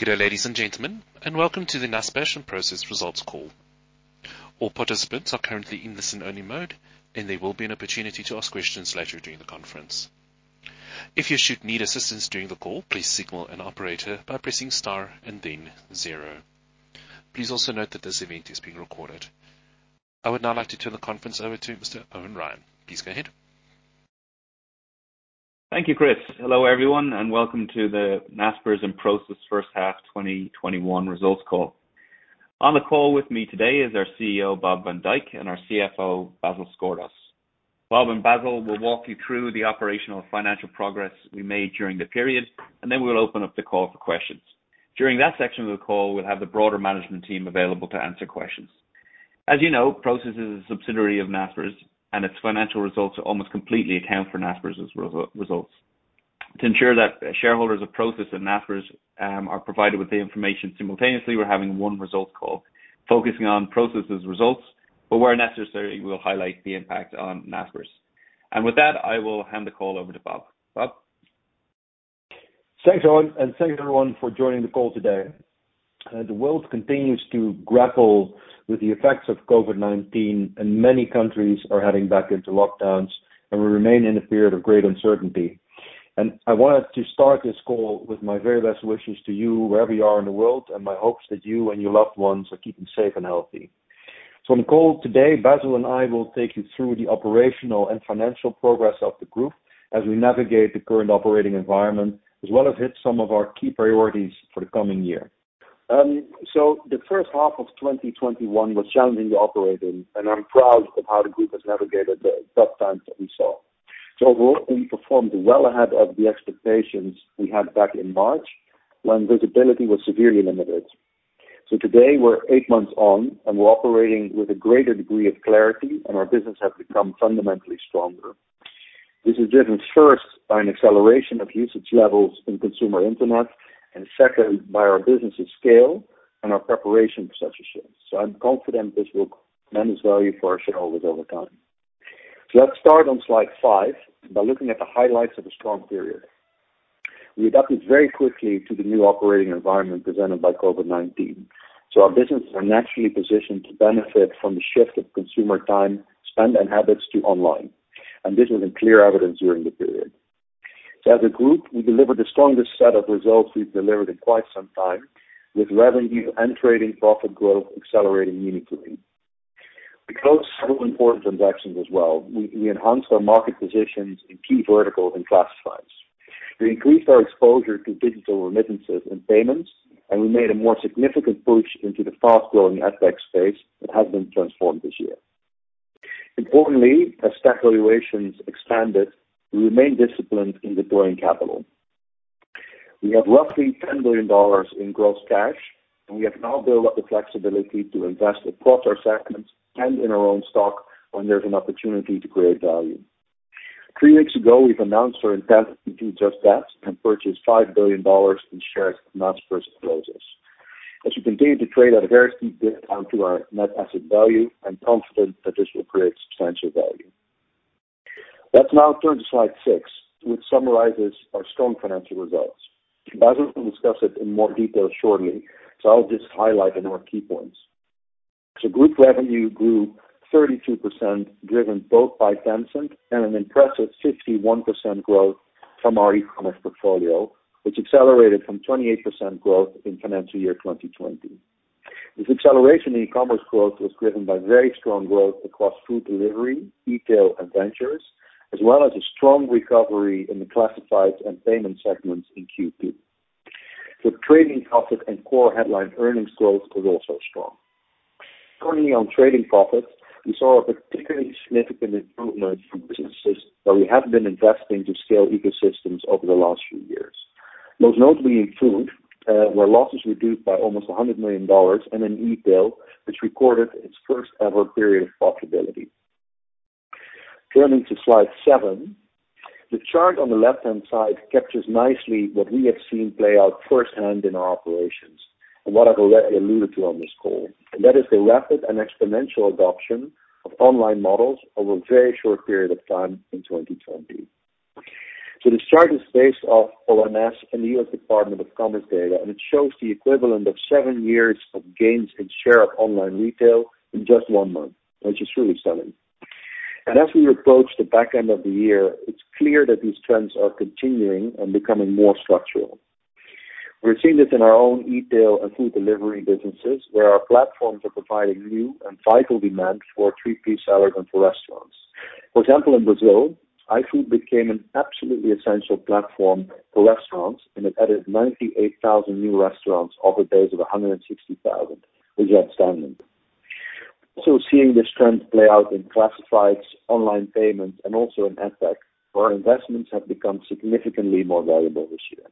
Good day, ladies and gentlemen, and Welcome to the Naspers and Prosus Results Call. All participants are currently in listen-only mode, and there will be an opportunity to ask questions later during the conference. If you should need assistance during the call, please signal an Operator by pressing star and then zero. Please also note that this event is being recorded. I would now like to turn the conference over to Mr. Eoin Ryan. Please go ahead. Thank you, Chris. Hello, everyone, and welcome to the Naspers and Prosus First Half 2021 results call. On the call with me today is our CEO, Bob van Dijk, and our CFO, Basil Sgourdos. Bob and Basil will walk you through the operational financial progress we made during the period. Then we'll open up the call for questions. During that section of the call, we'll have the broader management team available to answer questions. As you know, Prosus is a subsidiary of Naspers. Its financial results almost completely account for Naspers' results. To ensure that shareholders of Prosus and Naspers are provided with the information simultaneously, we're having one results call focusing on Prosus' results. Where necessary, we'll highlight the impact on Naspers. With that, I will hand the call over to Bob. Bob? Thanks, Eoin. Thank you, everyone, for joining the call today. The world continues to grapple with the effects of COVID-19, and many countries are heading back into lockdowns, and we remain in a period of great uncertainty. I wanted to start this call with my very best wishes to you wherever you are in the world and my hopes that you and your loved ones are keeping safe and healthy. On the call today, Basil and I will take you through the operational and financial progress of the Group as we navigate the current operating environment as well as hit some of our key priorities for the coming year. The first half of 2021 was challenging to operate in, and I'm proud of how the group has navigated the tough times that we saw. Overall, we performed well ahead of the expectations we had back in March when visibility was severely limited. Today, we're eight months on, and we're operating with a greater degree of clarity, and our business has become fundamentally stronger. This is driven first by an acceleration of usage levels in consumer internet and second by our business' scale and our preparation for such a shift. I'm confident this will manage value for our shareholders over time. Let's start on slide five by looking at the highlights of a strong period. We adapted very quickly to the new operating environment presented by COVID-19, so our businesses are naturally positioned to benefit from the shift of consumer time spend and habits to online. This was in clear evidence during the period. As a group, we delivered the strongest set of results we've delivered in quite some time, with revenue and trading profit growth accelerating meaningfully. We closed several important transactions as well. We enhanced our market positions in key verticals and classifieds. We increased our exposure to digital remittances and payments, and we made a more significant push into the fast-growing FinTech space that has been transformed this year. Importantly, as tech valuations expanded, we remained disciplined in deploying capital. We have roughly $10 billion in gross cash, and we have now built up the flexibility to invest across our segments and in our own stock when there's an opportunity to create value. Three weeks ago, we've announced our intent to do just that and purchase $5 billion in shares of Naspers/Prosus. As we continue to trade at a very steep discount to our net asset value, I'm confident that this will create substantial value. Let's now turn to slide six, which summarizes our strong financial results. Basil will discuss it in more detail shortly. I'll just highlight the more key points. Group revenue grew 32%, driven both by Tencent and an impressive 51% growth from our e-commerce portfolio, which accelerated from 28% growth in financial year 2020. This acceleration in e-commerce growth was driven by very strong growth across food delivery, e-tail, and ventures, as well as a strong recovery in the classifieds and payment segments in Q2. Trading profit and core headline earnings growth was also strong. Turning on trading profit, we saw a particularly significant improvement from businesses that we have been investing to scale ecosystems over the last few years. Most notably in food, where losses reduced by almost $100 million, and in e-tail, which recorded its first ever period of profitability. Turning to slide seven, the chart on the left-hand side captures nicely what we have seen play out first hand in our operations, and what I've already alluded to on this call, and that is the rapid and exponential adoption of online models over a very short period of time in 2020. The chart is based off ONS and the U.S. Department of Commerce data, and it shows the equivalent of seven years of gains in share of online retail in just one month, which is really stunning. As we approach the back end of the year, it's clear that these trends are continuing and becoming more structural. We're seeing this in our own e-tail and food delivery businesses, where our platforms are providing new and vital demand for [inaudible] and for restaurants. For example, in Brazil, iFood became an absolutely essential platform for restaurants, and it added 98,000 new restaurants off a base of 160,000, which is outstanding. Also seeing this trend play out in classifieds, online payments, and also in FinTech, where our investments have become significantly more valuable this year.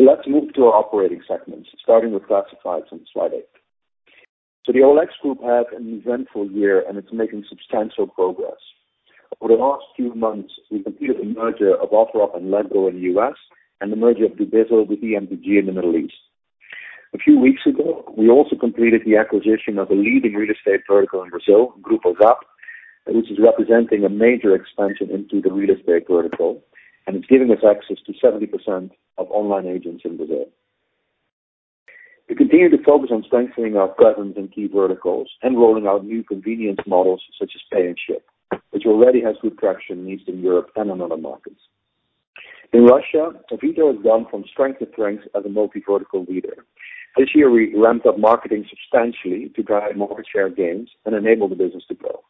Let's move to our operating segments, starting with classifieds on slide eight. The OLX Group had an eventful year, and it's making substantial progress. Over the last few months, we completed the merger of OfferUp and Letgo in the U.S. and the merger of Dubizzle with EMPG in the Middle East. A few weeks ago, we also completed the acquisition of a leading real estate vertical in Brazil, Grupo ZAP, which is representing a major expansion into the real estate vertical, and it's giving us access to 70% of online agents in Brazil. We continue to focus on strengthening our presence in key verticals and rolling out new convenience models such as pay and ship, which already has good traction in Eastern Europe and in other markets. In Russia, Avito has gone from strength to strength as a multi-vertical leader. This year, we ramped up marketing substantially to drive more share gains and enable the business to grow.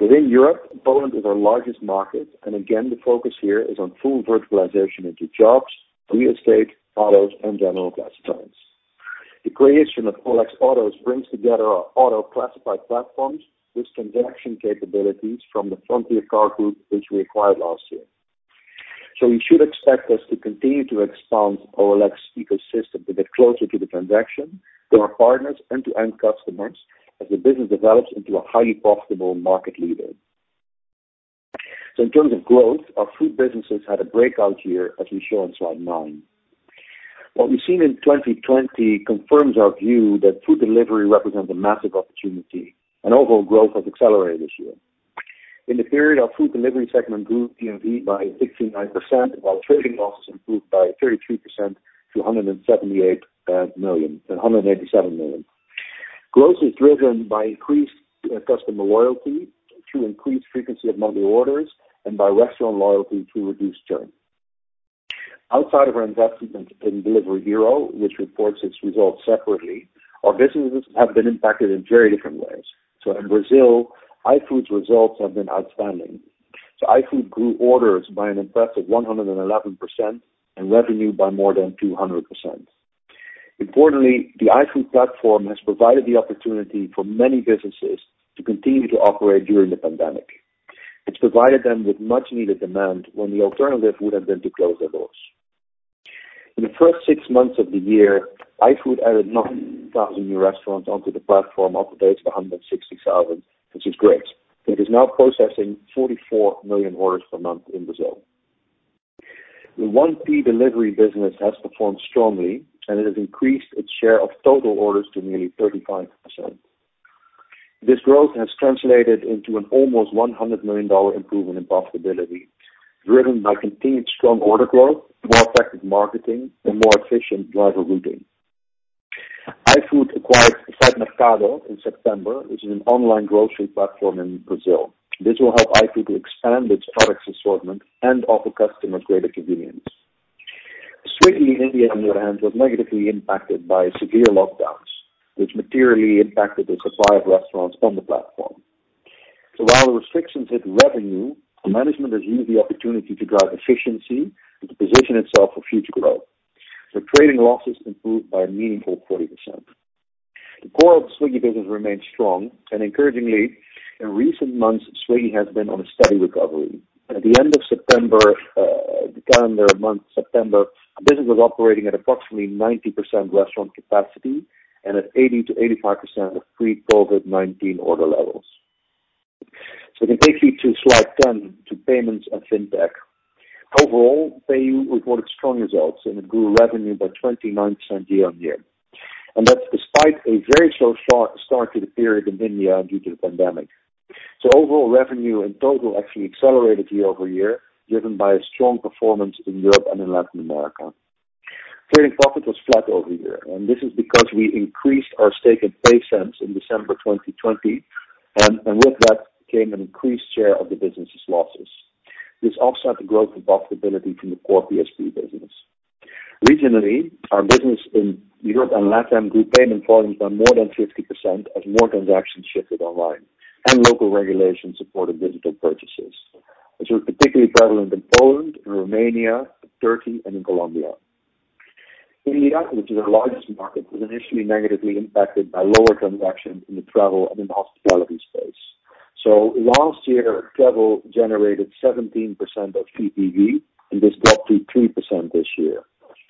Within Europe, Poland is our largest market, and again, the focus here is on full verticalization into jobs, real estate, autos, and general classifieds. The creation of OLX Autos brings together our auto classified platforms with transaction capabilities from the Frontier Car Group, which we acquired last year. You should expect us to continue to expand OLX ecosystem a bit closer to the transaction, to our partners and to end customers as the business develops into a highly profitable market leader. In terms of growth, our food businesses had a breakout year, as we show on slide nine. What we've seen in 2020 confirms our view that food delivery represents a massive opportunity, and overall growth has accelerated this year. In the period, our food delivery segment grew GMV by 69%, while trading losses improved by 33% to $187 million. Growth is driven by increased customer loyalty through increased frequency of monthly orders, and by restaurant loyalty through reduced churn. Outside of our investment in Delivery Hero, which reports its results separately, our businesses have been impacted in very different ways. In Brazil, iFood's results have been outstanding. iFood grew orders by an impressive 111% and revenue by more than 200%. Importantly, the iFood platform has provided the opportunity for many businesses to continue to operate during the pandemic. It's provided them with much needed demand when the alternative would have been to close their doors. In the first six months of the year, iFood added 9,000 new restaurants onto the platform, off a base of 160,000, which is great, and it is now processing 44 million orders per month in Brazil. The 1P delivery business has performed strongly. It has increased its share of total orders to nearly 35%. This growth has translated into an almost $100 million improvement in profitability, driven by continued strong order growth, more effective marketing, and more efficient driver routing. iFood acquired SiteMercado in September, which is an an online grocery platform in Brazil. This will help iFood to expand its products assortment and offer customers greater convenience. Swiggy in India, on the other hand, was negatively impacted by severe lockdowns, which materially impacted the supply of restaurants on the platform. While the restrictions hit revenue, management has used the opportunity to drive efficiency and to position itself for future growth. Trading losses improved by a meaningful 40%. The core of the Swiggy business remains strong, and encouragingly, in recent months, Swiggy has been on a steady recovery. At the end of September— the calendar month, September, the business was operating at approximately 90% restaurant capacity and at 80%-85% of pre-COVID-19 order levels. We can take you to slide 10, to payments and FinTech. Overall, PayU reported strong results. It grew revenue by 29% year-on-year. That's despite a very slow start to the period in India due to the pandemic. Overall revenue in total actually accelerated year-over-year, driven by a strong performance in Europe and in Latin America. Trading profit was flat year-over-year, and this is because we increased our stake in PaySense in December 2020, and with that came an increased share of the business' losses. This offset the growth and profitability from the core PSP business. Regionally, our business in Europe and LatAm grew payment volumes by more than 50% as more transactions shifted online, and local regulations supported digital purchases. These was particularly prevalent in Poland, in Romania, Turkey, and in Colombia. India, which is our largest market, was initially negatively impacted by lower transactions in the travel and in the hospitality space. So last year, travel generated 17% of TPV, and this dropped to 3% this year.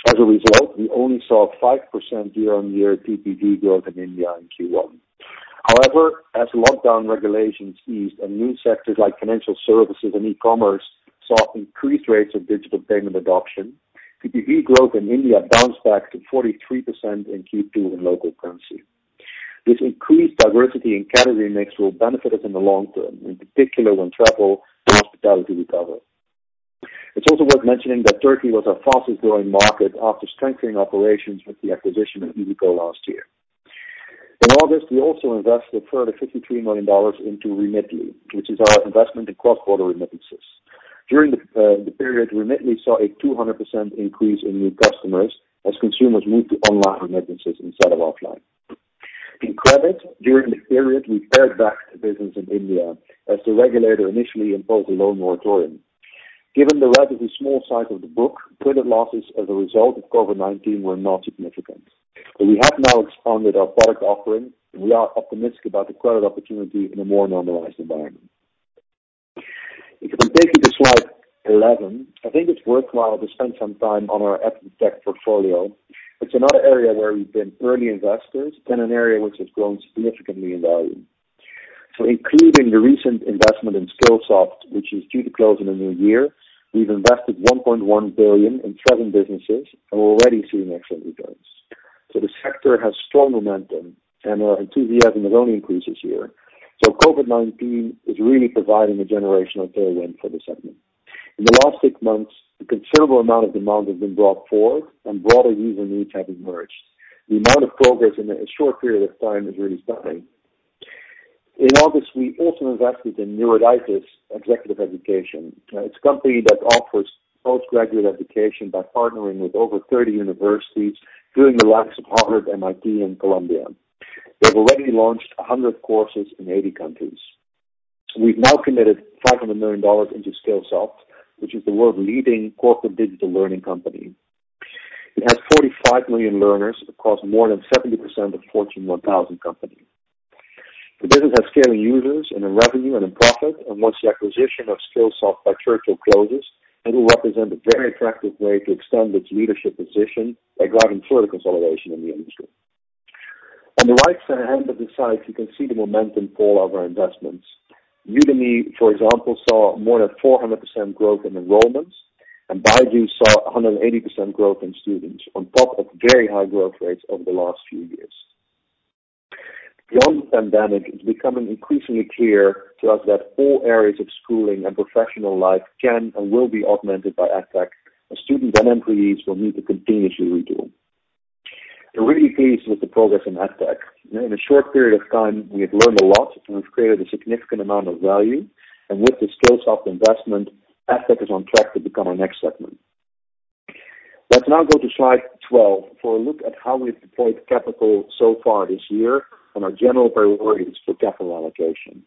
As a result, we only saw 5% year-on-year TPV growth in India in Q1. However, as lockdown regulations eased and new sectors like financial services and e-commerce saw increased rates of digital payment adoption, TPV growth in India bounced back to 43% in Q2 in local currency. This increased diversity in category mix will benefit us in the long term, in particular when travel and hospitality recover. It's also worth mentioning that Turkey was our fastest growing market after strengthening operations with the acquisition of Iyzico last year. In August, we also invested a further $53 million into Remitly, which is our investment in cross-border remittances. During the period, Remitly saw a 200% increase in new customers as consumers moved to online remittances instead of offline. In credit, during the period, we pared back the business in India as the regulator initially imposed a loan moratorium. Given the relatively small size of the book, credit losses as a result of COVID-19 were not significant, but we have now expanded our product offering, and we are optimistic about the credit opportunity in a more normalized environment. If we can take it to slide 11, I think it's worthwhile to spend some time on our FinTech portfolio. It's another area where we've been early investors and an area which has grown significantly in value. Including the recent investment in Skillsoft, which is due to close in the new year, we've invested $1.1 billion in seven businesses and we're already seeing excellent returns. The sector has strong momentum, and our enthusiasm has only increased this year. COVID-19 is really providing a generational tailwind for the segment. In the last six months, a considerable amount of demand has been brought forward and broader user needs have emerged. The amount of progress in a short period of time is really stunning. In August, we also invested in Eruditus Executive Education. It's a company that offers post-graduate education by partnering with over 30 universities, including the likes of Harvard, MIT, and Columbia. They've already launched 100 courses in 80 countries. We've now committed $500 million into Skillsoft, which is the world's leading corporate digital learning company. It has 45 million learners across more than 70% of Fortune 1,000 companies. The business has scaling users and in revenue and in profit, and once the acquisition of Skillsoft by Churchill closes, it will represent a very attractive way to extend its leadership position by driving further consolidation in the industry. On the right-hand side, you can see the momentum for all of our investments. Udemy, for example, saw more than 400% growth in enrollments. BYJU'S saw 180% growth in students on top of very high growth rates over the last few years. Beyond the pandemic, it's becoming increasingly clear to us that all areas of schooling and professional life can and will be augmented by EdTech, as students and employees will need to continuously retool. I'm really pleased with the progress in EdTech. In a short period of time, we have learned a lot and we've created a significant amount of value, with the Skillsoft investment, EdTech is on track to become our next segment. Let's now go to slide 12 for a look at how we've deployed capital so far this year and our general priorities for capital allocation.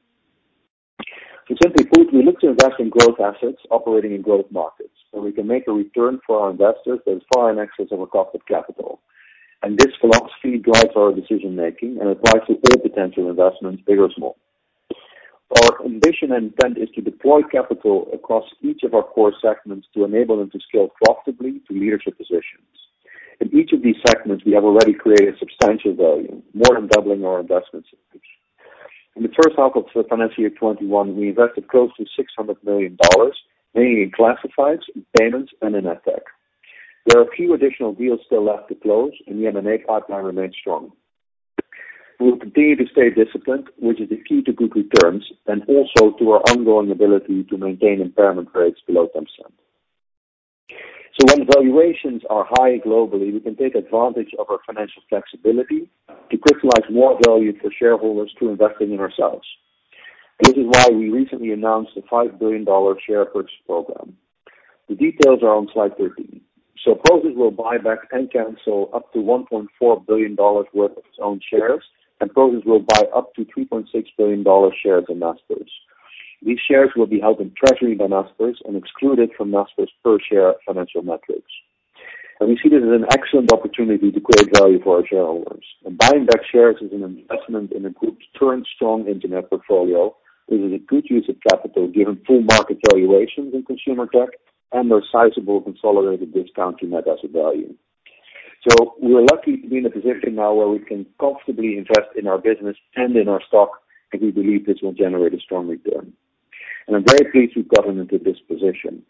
Simply put, we look to invest in growth assets operating in growth markets where we can make a return for our investors that is far in excess of our cost of capital. This philosophy drives our decision-making and applies to all potential investments, big or small. Our ambition and intent is to deploy capital across each of our core segments to enable them to scale profitably to leadership positions. In each of these segments, we have already created substantial value, more than doubling our investments in each. In the first half of financial year 2021, we invested close to $600 million, mainly in classifieds, payments, and in EdTech. There are a few additional deals still left to close, and the M&A pipeline remains strong. We will continue to stay disciplined, which is the key to good returns, and also to our ongoing ability to maintain impairment rates below 10%. When valuations are high globally, we can take advantage of our financial flexibility to crystallize more value for shareholders through investing in ourselves. This is why we recently announced a $5 billion share purchase program. The details are on slide 13. Prosus will buy back and cancel up to $1.4 billion worth of its own shares, and Prosus will buy up to $3.6 billion shares of Naspers. These shares will be held in treasury by Naspers and excluded from Naspers' per-share financial metrics. We see this as an excellent opportunity to create value for our shareholders. Buying back shares is an investment in the group's current strong internet portfolio. This is a good use of capital given full market valuations in consumer tech and our sizable consolidated discount to net asset value. We're lucky to be in a position now where we can comfortably invest in our business and in our stock, and we believe this will generate a strong return. I'm very pleased we've gotten into this position.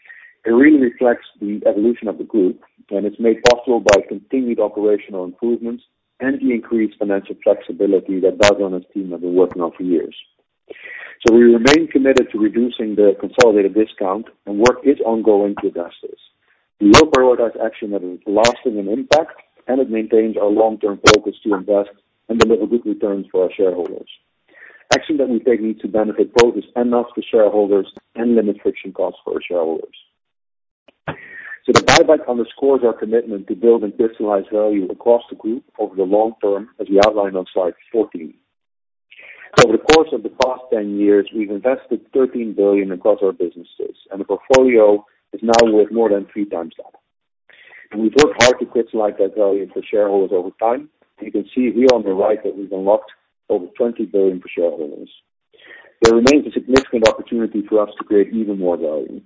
It really reflects the evolution of the group, and it's made possible by continued operational improvements and the increased financial flexibility that Basil and his team have been working on for years. So we remain committed to reducing the consolidated discount and work is ongoing to address this. We will prioritize action that is lasting in impact and it maintains our long-term focus to invest and deliver good returns for our shareholders. Action that we take needs to benefit both Prosus and Naspers shareholders and limit friction costs for our shareholders. The buyback underscores our commitment to build and crystallize value across the group over the long term, as we outline on slide 14. Over the course of the past 10 years, we've invested $13 billion across our businesses, and the portfolio is now worth more than three times that. We've worked hard to crystallize that value for shareholders over time. You can see here on the right that we've unlocked over $20 billion for shareholders. There remains a significant opportunity for us to create even more value.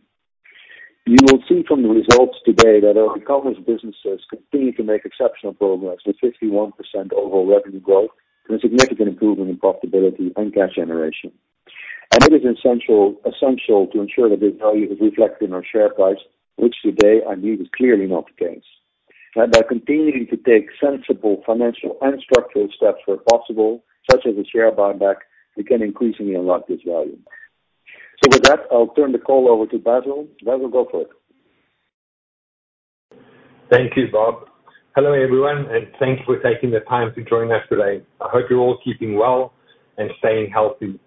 You will see from the results today that our e-commerce businesses continue to make exceptional progress, with 51% overall revenue growth and a significant improvement in profitability and cash generation. It is essential to ensure that this value is reflected in our share price, which today, I believe, is clearly not the case. By continuing to take sensible financial and structural steps where possible, such as a share buyback, we can increasingly unlock this value. With that, I'll turn the call over to Basil. Basil, go for it. Thank you, Bob. Hello, everyone, thank you for taking the time to join us today. I hope you're all keeping well and staying healthy.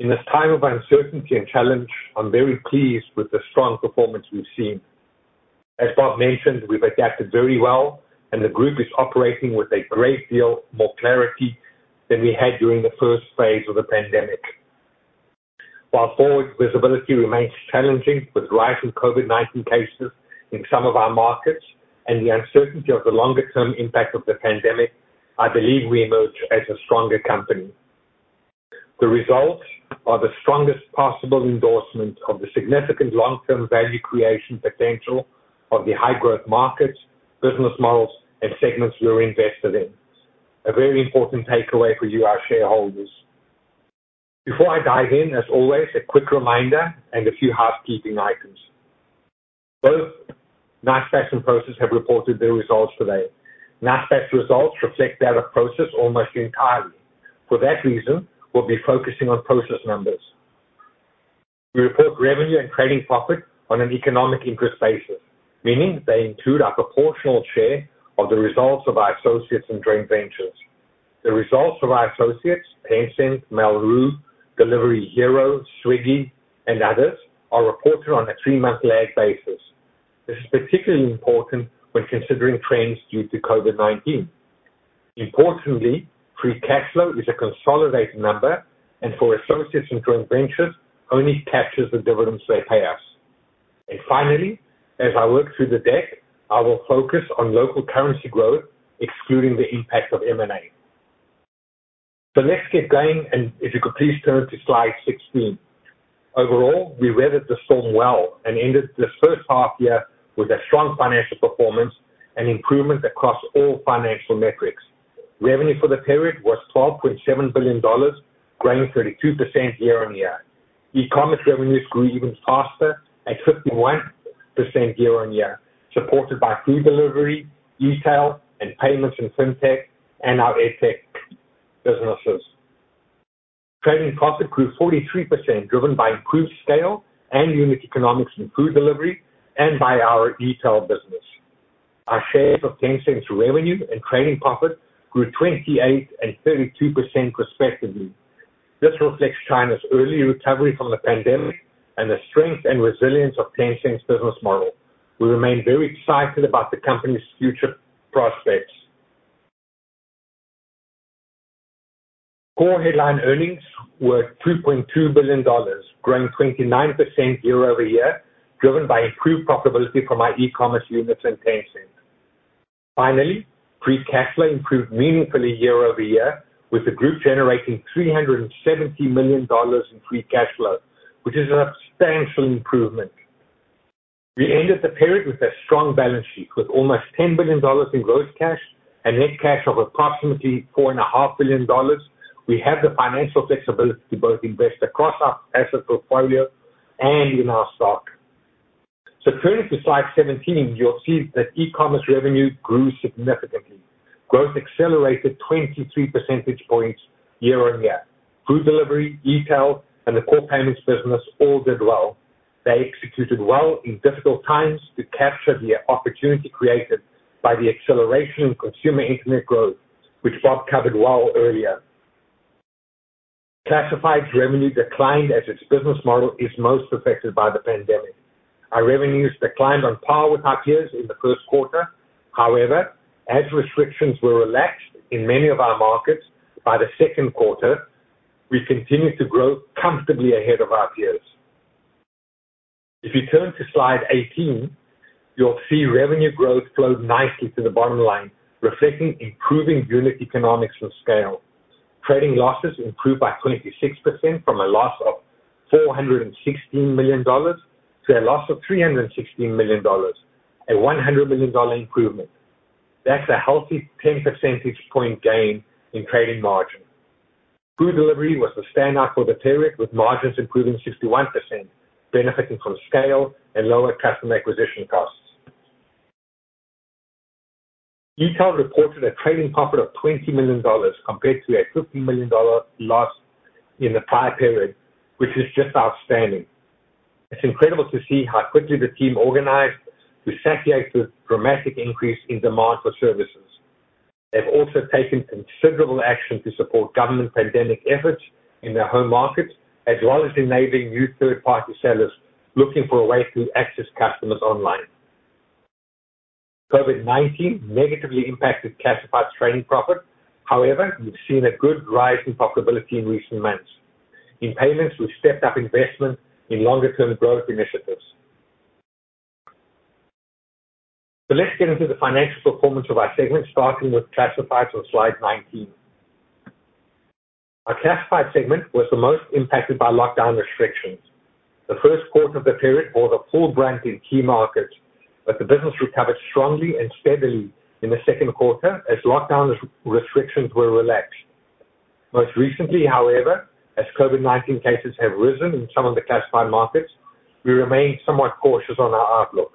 In this time of uncertainty and challenge, I'm very pleased with the strong performance we've seen. As Bob mentioned, we've adapted very well. The group is operating with a great deal more clarity than we had during the first phase of the pandemic. Forward visibility remains challenging with rising COVID-19 cases in some of our markets and the uncertainty of the longer-term impact of the pandemic, I believe we emerge as a stronger company. The results are the strongest possible endorsement of the significant long-term value creation potential of the high-growth markets, business models, and segments we're invested in. A very important takeaway for you, our shareholders. Before I dive in, as always, a quick reminder and a few housekeeping items. Both Naspers and Prosus have reported their results today. Naspers results reflect that of Prosus almost entirely. We'll be focusing on Prosus numbers. We report revenue and trading profit on an economic interest basis, meaning they include our proportional share of the results of our associates and joint ventures. The results of our associates, Tencent, Mail.ru, Delivery Hero, Swiggy, and others, are reported on a three-month lagged basis. This is particularly important when considering trends due to COVID-19. Importantly, free cash flow is a consolidated number, and for associates and joint ventures, only captures the dividends they pay us. Finally, as I work through the deck, I will focus on local currency growth, excluding the impact of M&A. Let's get going, and if you could please turn to slide 16. Overall, we weathered the storm well and ended the first half year with a strong financial performance and improvement across all financial metrics. Revenue for the period was $12.7 billion, growing 32% year-on-year. E-commerce revenues grew even faster at 51% year-on-year, supported by food delivery, e-tail, and payments and FinTech, and our EdTech businesses. Trading profit grew 43%, driven by improved scale and unit economics in food delivery and by our e-tail business. Our share of Tencent's revenue and trading profit grew 28% and 32% respectively. This reflects China's early recovery from the pandemic and the strength and resilience of Tencent's business model. We remain very excited about the company's future prospects. Core headline earnings were $3.2 billion, growing 29% year-over-year, driven by improved profitability from our e-commerce units and Tencent. Finally, free cash flow improved meaningfully year-over-year, with the group generating $370 million in free cash flow, which is a substantial improvement. We ended the period with a strong balance sheet. With almost $10 billion in gross cash and net cash of approximately $4.5 billion, we have the financial flexibility to both invest across our asset portfolio and in our stock. Turning to slide 17, you'll see that e-commerce revenue grew significantly. Growth accelerated 23 percentage points year-on-year. Food delivery, e-tail, and the core payments business all did well. They executed well in difficult times to capture the opportunity created by the acceleration in consumer internet growth, which Bob covered well earlier. Classified revenue declined as its business model is most affected by the pandemic. Our revenues declined on par with our peers in the first quarter. However, as restrictions were relaxed in many of our markets by the second quarter, we continued to grow comfortably ahead of our peers. If you turn to slide 18, you'll see revenue growth flowed nicely to the bottom line, reflecting improving unit economics and scale. Trading losses improved by 26%, from a loss of $416 million to a loss of $316 million, a 100 million improvement. That's a healthy 10 percentage point gain in trading margin. Food delivery was the standout for the period, with margins improving 61%, benefiting from scale and lower customer acquisition costs. E-tail reported a trading profit of $20 million compared to a 15 million loss in the prior period, which is just outstanding. It's incredible to see how quickly the team organized to satiate the dramatic increase in demand for services. They've also taken considerable action to support government pandemic efforts in their home markets, as well as enabling new third-party sellers looking for a way to access customers online. COVID-19 negatively impacted classified trading profit. However, we've seen a good rise in profitability in recent months. In payments, we've stepped up investment in longer-term growth initiatives. Let's get into the financial performance of our segment, starting with classifieds on slide 19. Our classified segment was the most impacted by lockdown restrictions. The first quarter of the period saw a full brunt in key markets, but the business recovered strongly and steadily in the second quarter as lockdown restrictions were relaxed. Most recently, however, as COVID-19 cases have risen in some of the classified markets, we remain somewhat cautious on our outlook.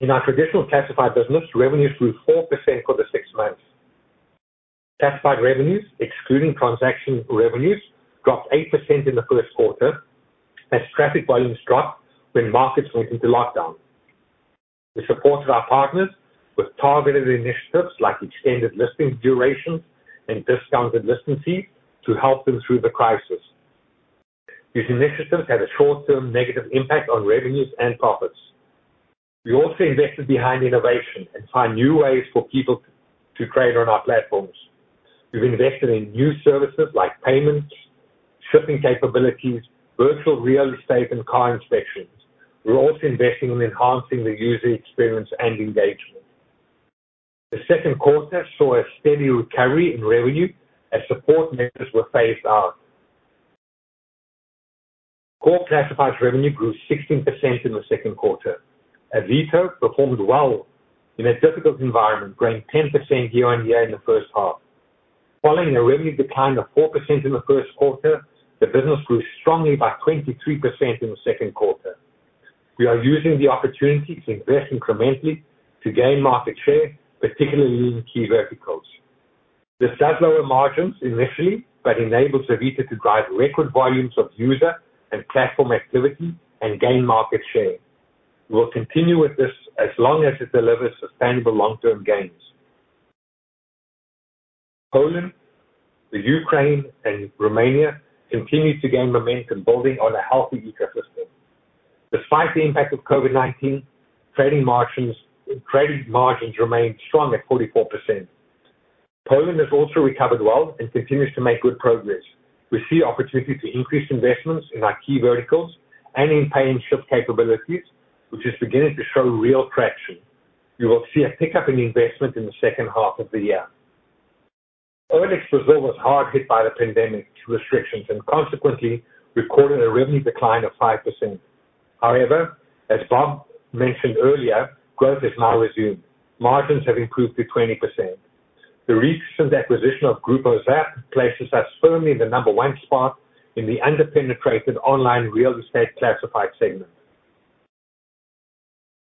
In our traditional classified business, revenues grew 4% for the six months. Classified revenues, excluding transaction revenues, dropped 8% in the first quarter as traffic volumes dropped when markets went into lockdown. We supported our partners with targeted initiatives like extended listings durations and discounted listing fees to help them through the crisis. These initiatives had a short-term negative impact on revenues and profits. We also invested behind innovation and find new ways for people to trade on our platforms. We've invested in new services like payments, shipping capabilities, virtual real estate, and car inspections. We're also investing in enhancing the user experience and engagement. The second quarter saw a steady recovery in revenue as support measures were phased out. Core classifieds revenue grew 16% in the second quarter. Avito performed well in a difficult environment, growing 10% year-on-year in the first half. Following a revenue decline of 4% in the first quarter, the business grew strongly by 23% in the second quarter. We are using the opportunity to invest incrementally to gain market share, particularly in key verticals. This does lower margins initially, but enables Avito to drive record volumes of user and platform activity and gain market share. We'll continue with this as long as it delivers sustainable long-term gains. Poland, the Ukraine, and Romania continue to gain momentum building on a healthy ecosystem. Despite the impact of COVID-19, trading margins remained strong at 44%. Poland has also recovered well and continues to make good progress. We see opportunity to increase investments in our key verticals and in PayU capabilities, which is beginning to show real traction. You will see a pickup in investment in the second half of the year. OLX Brazil was hard hit by the pandemic restrictions and consequently recorded a revenue decline of 5%. However, as Bob mentioned earlier, growth has now resumed. Margins have improved to 20%. The recent acquisition of Grupo ZAP places us firmly in the number one spot in the under-penetrated online real estate classified segment.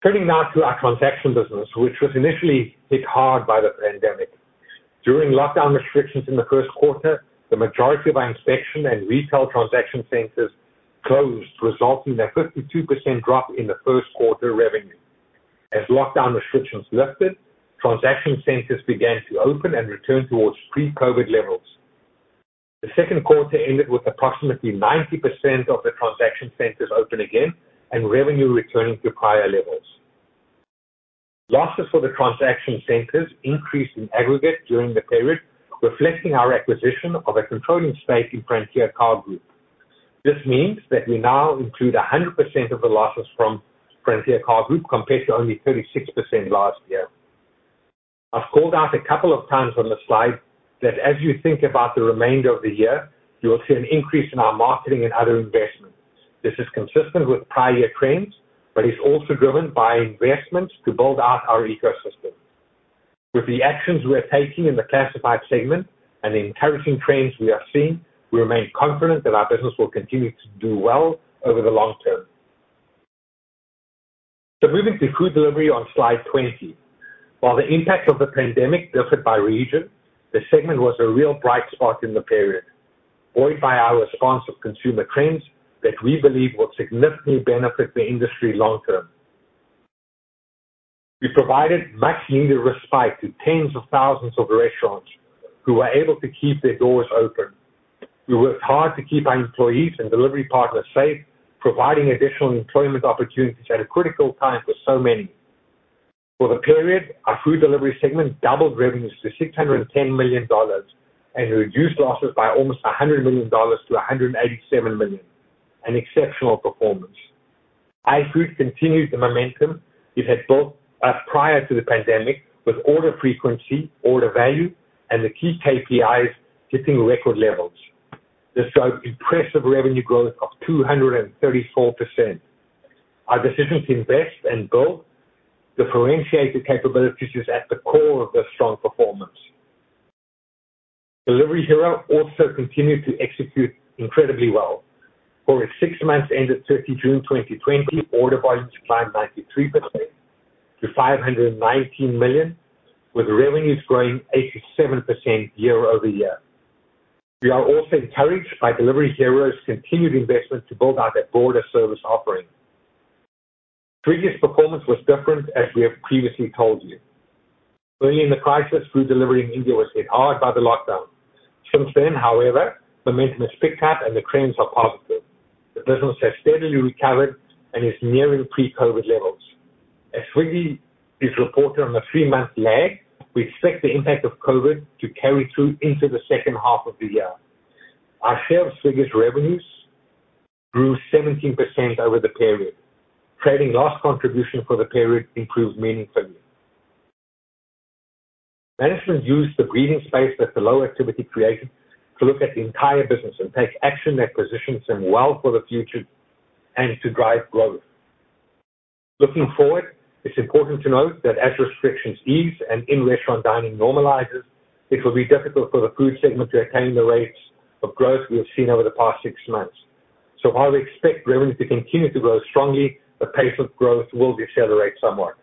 Turning now to our transaction business, which was initially hit hard by the pandemic. During lockdown restrictions in the first quarter, the majority of our inspection and retail transaction centers closed, resulting in a 52% drop in the first quarter revenue. As lockdown restrictions lifted, transaction centers began to open and return towards pre-COVID levels. The second quarter ended with approximately 90% of the transaction centers open again and revenue returning to prior levels. Losses for the transaction centers increased in aggregate during the period, reflecting our acquisition of a controlling stake in Frontier Car Group. This means that we now include 100% of the losses from Frontier Car Group compared to only 36% last year. I've called out a couple of times on the slide that as you think about the remainder of the year, you will see an increase in our marketing and other investments. This is consistent with prior year trends, but is also driven by investments to build out our ecosystem. With the actions we're taking in the classified segment and the encouraging trends we are seeing, we remain confident that our business will continue to do well over the long term. So, moving to food delivery on slide 20. While the impact of the pandemic differed by region, the segment was a real bright spot in the period. Buoyed by our responsive consumer trends that we believe will significantly benefit the industry long term. We provided much-needed respite to tens of thousands of restaurants who were able to keep their doors open. We worked hard to keep our employees and delivery partners safe, providing additional employment opportunities at a critical time for so many. For the period, our food delivery segment doubled revenues to $610 million and reduced losses by almost $100 million to 187 million. An exceptional performance. iFood continued the momentum it had built up prior to the pandemic, with order frequency, order value, and the key KPIs hitting record levels. This drove impressive revenue growth of 234%. Our decision to invest and build the differentiated capabilities is at the core of this strong performance. Delivery Hero also continued to execute incredibly well. For its six months ended 30 June 2020, order volumes climbed 93% to 519 million, with revenues growing 87% year-over-year. We are also encouraged by Delivery Hero's continued investment to build out their broader service offering. Swiggy's performance was different as we have previously told you. Early in the crisis, food delivery in India was hit hard by the lockdown. Since then, however, momentum has picked up and the trends are positive. The business has steadily recovered and is nearing pre-COVID levels. As Swiggy is reported on a three-month lag, we expect the impact of COVID to carry through into the second half of the year. Our share of Swiggy's revenues grew 17% over the period. Trading loss contribution for the period improved meaningfully. Management used the breathing space that the low activity created to look at the entire business and take action that positions them well for the future and to drive growth. Looking forward, it's important to note that as restrictions ease and in-restaurant dining normalizes, it will be difficult for the food segment to attain the rates of growth we have seen over the past six months. While we expect revenue to continue to grow strongly, the pace of growth will decelerate somewhat.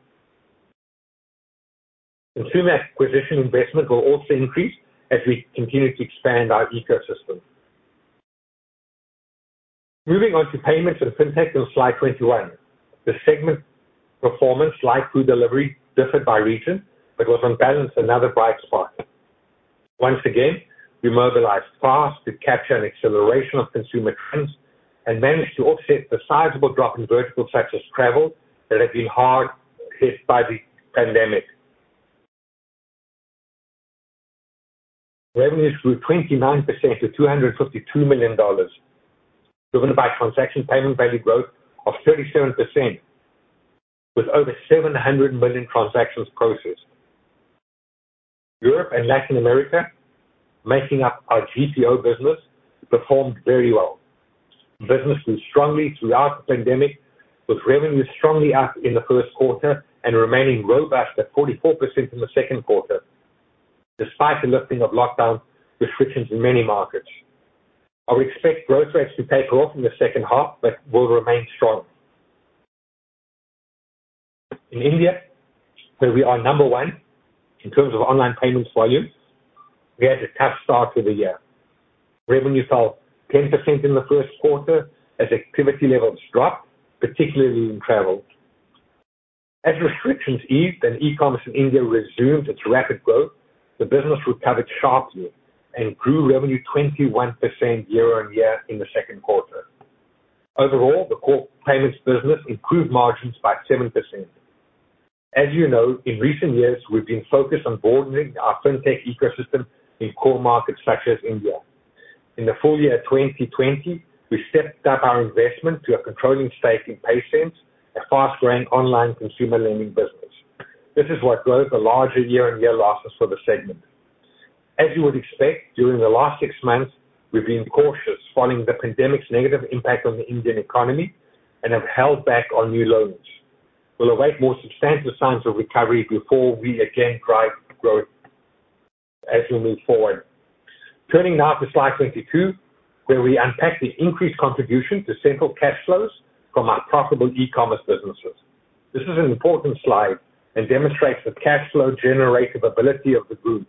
Consumer acquisition investment will also increase as we continue to expand our ecosystem. Moving on to Payments and FinTech on Slide 21. The segment performance, like food delivery, differed by region, but was on balance another bright spot. Once again, we mobilized fast to capture an acceleration of consumer trends and managed to offset the sizable drop in verticals such as travel that have been hard hit by the pandemic. Revenues grew 29% to $252 million, driven by transaction payment value growth of 37%, with over 700 million transactions processed. Europe and Latin America, making up our GPO business, performed very well. Business was strongly throughout the pandemic, with revenues strongly up in the first quarter and remaining robust at 44% in the second quarter, despite the lifting of lockdown restrictions in many markets. I expect growth rates to taper off in the second half, but will remain strong. In India, where we are number one in terms of online payments volume, we had a tough start to the year. Revenue fell 10% in the first quarter as activity levels dropped, particularly in travel. As restrictions eased and e-commerce in India resumed its rapid growth, the business recovered sharply and grew revenue 21% year-on-year in the second quarter. Overall, the core payments business improved margins by 7%. As you know, in recent years, we've been focused on broadening our FinTech ecosystem in core markets such as India. In the full year 2020, we stepped up our investment to a controlling stake in PaySense, a fast-growing online consumer lending business. This is what drove the larger year-on-year losses for the segment. As you would expect, during the last six months, we've been cautious following the pandemic's negative impact on the Indian economy and have held back on new loans. We'll await more substantial signs of recovery before we again drive growth as we move forward. Turning now to slide 22, where we unpack the increased contribution to central cash flows from our profitable e-commerce businesses. This is an important slide and demonstrates the cash flow generative ability of the group.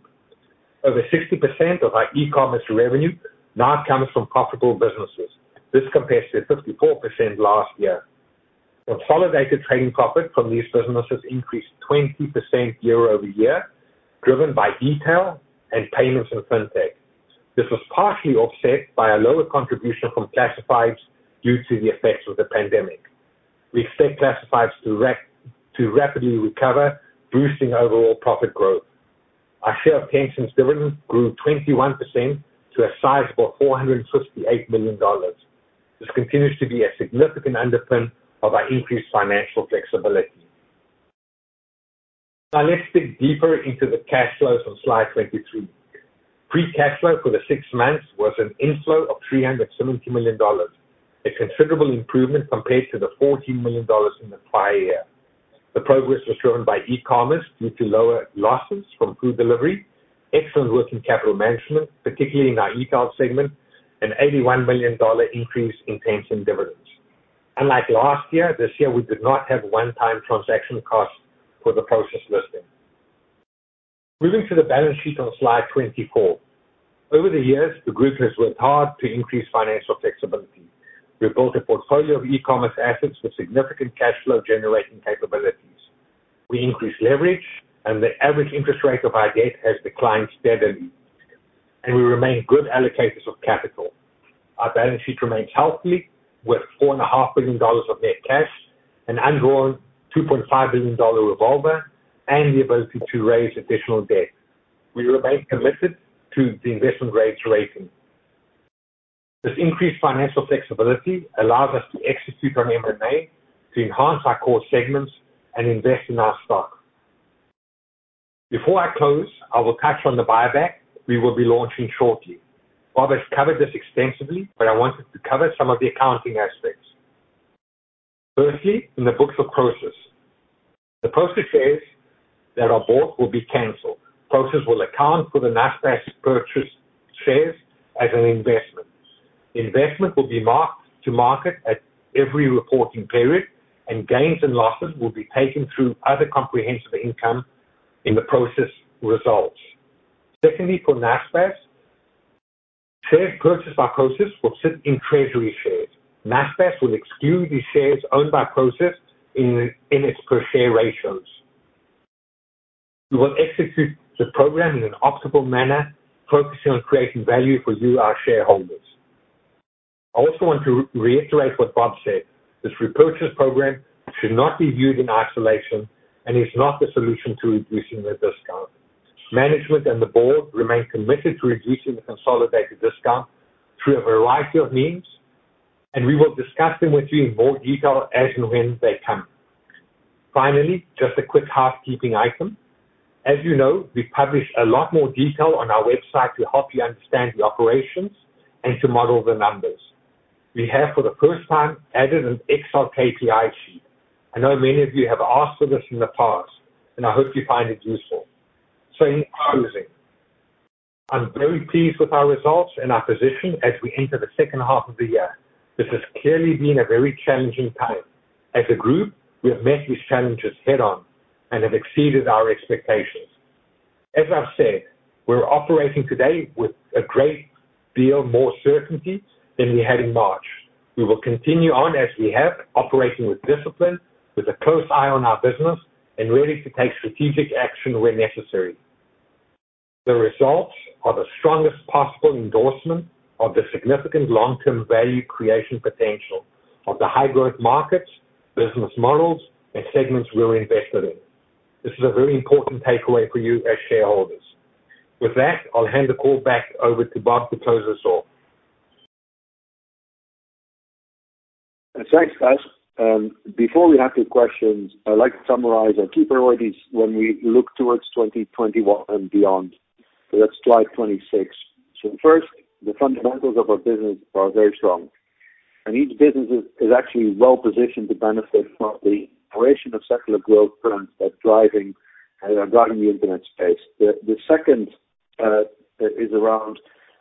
Over 60% of our e-commerce revenue now comes from profitable businesses. This compares to 54% last year. The consolidated trading profit from these businesses increased 20% year-over-year, driven by retail and payments in FinTech. This was partially offset by a lower contribution from Classifieds due to the effects of the pandemic. We expect Classifieds to rapidly recover, boosting overall profit growth. Our share of Tencent's dividends grew 21% to a sizable $458 million. This continues to be a significant underpin of our increased financial flexibility. Now let's dig deeper into the cash flows on slide 23. Free cash flow for the six months was an inflow of $370 million, a considerable improvement compared to the $14 million in the prior year. The progress was driven by e-commerce due to lower losses from food delivery, excellent working capital management, particularly in our e-tail segment, an $81 million increase in Tencent dividends. Unlike last year, this year, we did not have one-time transaction costs for the Prosus listing. Moving to the balance sheet on slide 24. Over the years, the group has worked hard to increase financial flexibility. We've built a portfolio of e-commerce assets with significant cash flow generating capabilities. We increased leverage, and the average interest rate of our debt has declined steadily, and we remain good allocators of capital. Our balance sheet remains healthy, with $4.5 billion of net cash, an undrawn $2.5 billion revolver, and the ability to raise additional debt. We remain committed to the investment rates rating. This increased financial flexibility allows us to execute on M&A to enhance our core segments and invest in our stock. Before I close, I will touch on the buyback we will be launching shortly. Bob has covered this extensively, but I wanted to cover some of the accounting aspects. Firstly, in the books of Prosus. The Prosus shares that are bought will be canceled. Prosus will account for the Naspers purchased shares as an investment. The investment will be marked to market at every reporting period, and gains and losses will be taken through other comprehensive income in the Prosus results. Secondly, for Naspers, shares purchased by Prosus will sit in treasury shares. Naspers will exclude these shares owned by Prosus in its per share ratios. We will execute the program in an optimal manner, focusing on creating value for you, our shareholders. I also want to reiterate what Bob said. This repurchase program should not be viewed in isolation and is not the solution to reducing the discount. Management and the board remain committed to reducing the consolidated discount through a variety of means, and we will discuss them with you in more detail as and when they come. Finally, just a quick housekeeping item. As you know, we publish a lot more detail on our website to help you understand the operations and to model the numbers. We have, for the first time, added an Excel KPI sheet. I know many of you have asked for this in the past, and I hope you find it useful. So, in closing, I'm very pleased with our results and our position as we enter the second half of the year. This has clearly been a very challenging time. As a group, we have met these challenges head-on and have exceeded our expectations. As I've said, we're operating today with a great deal more certainty than we had in March. We will continue on as we have, operating with discipline, with a close eye on our business, and ready to take strategic action where necessary. The results are the strongest possible endorsement of the significant long-term value creation potential of the high-growth markets, business models and segments we're invested in. This is a very important takeaway for you as shareholders. With that, I'll hand the call back over to Bob to close us off. Thanks, guys. Before we have the questions, I'd like to summarize our key priorities when we look towards 2021 and beyond. That's slide 26. So first, the fundamentals of our business are very strong, and each business is actually well-positioned to benefit from the operation of secular growth trends that are driving the internet space. The second is around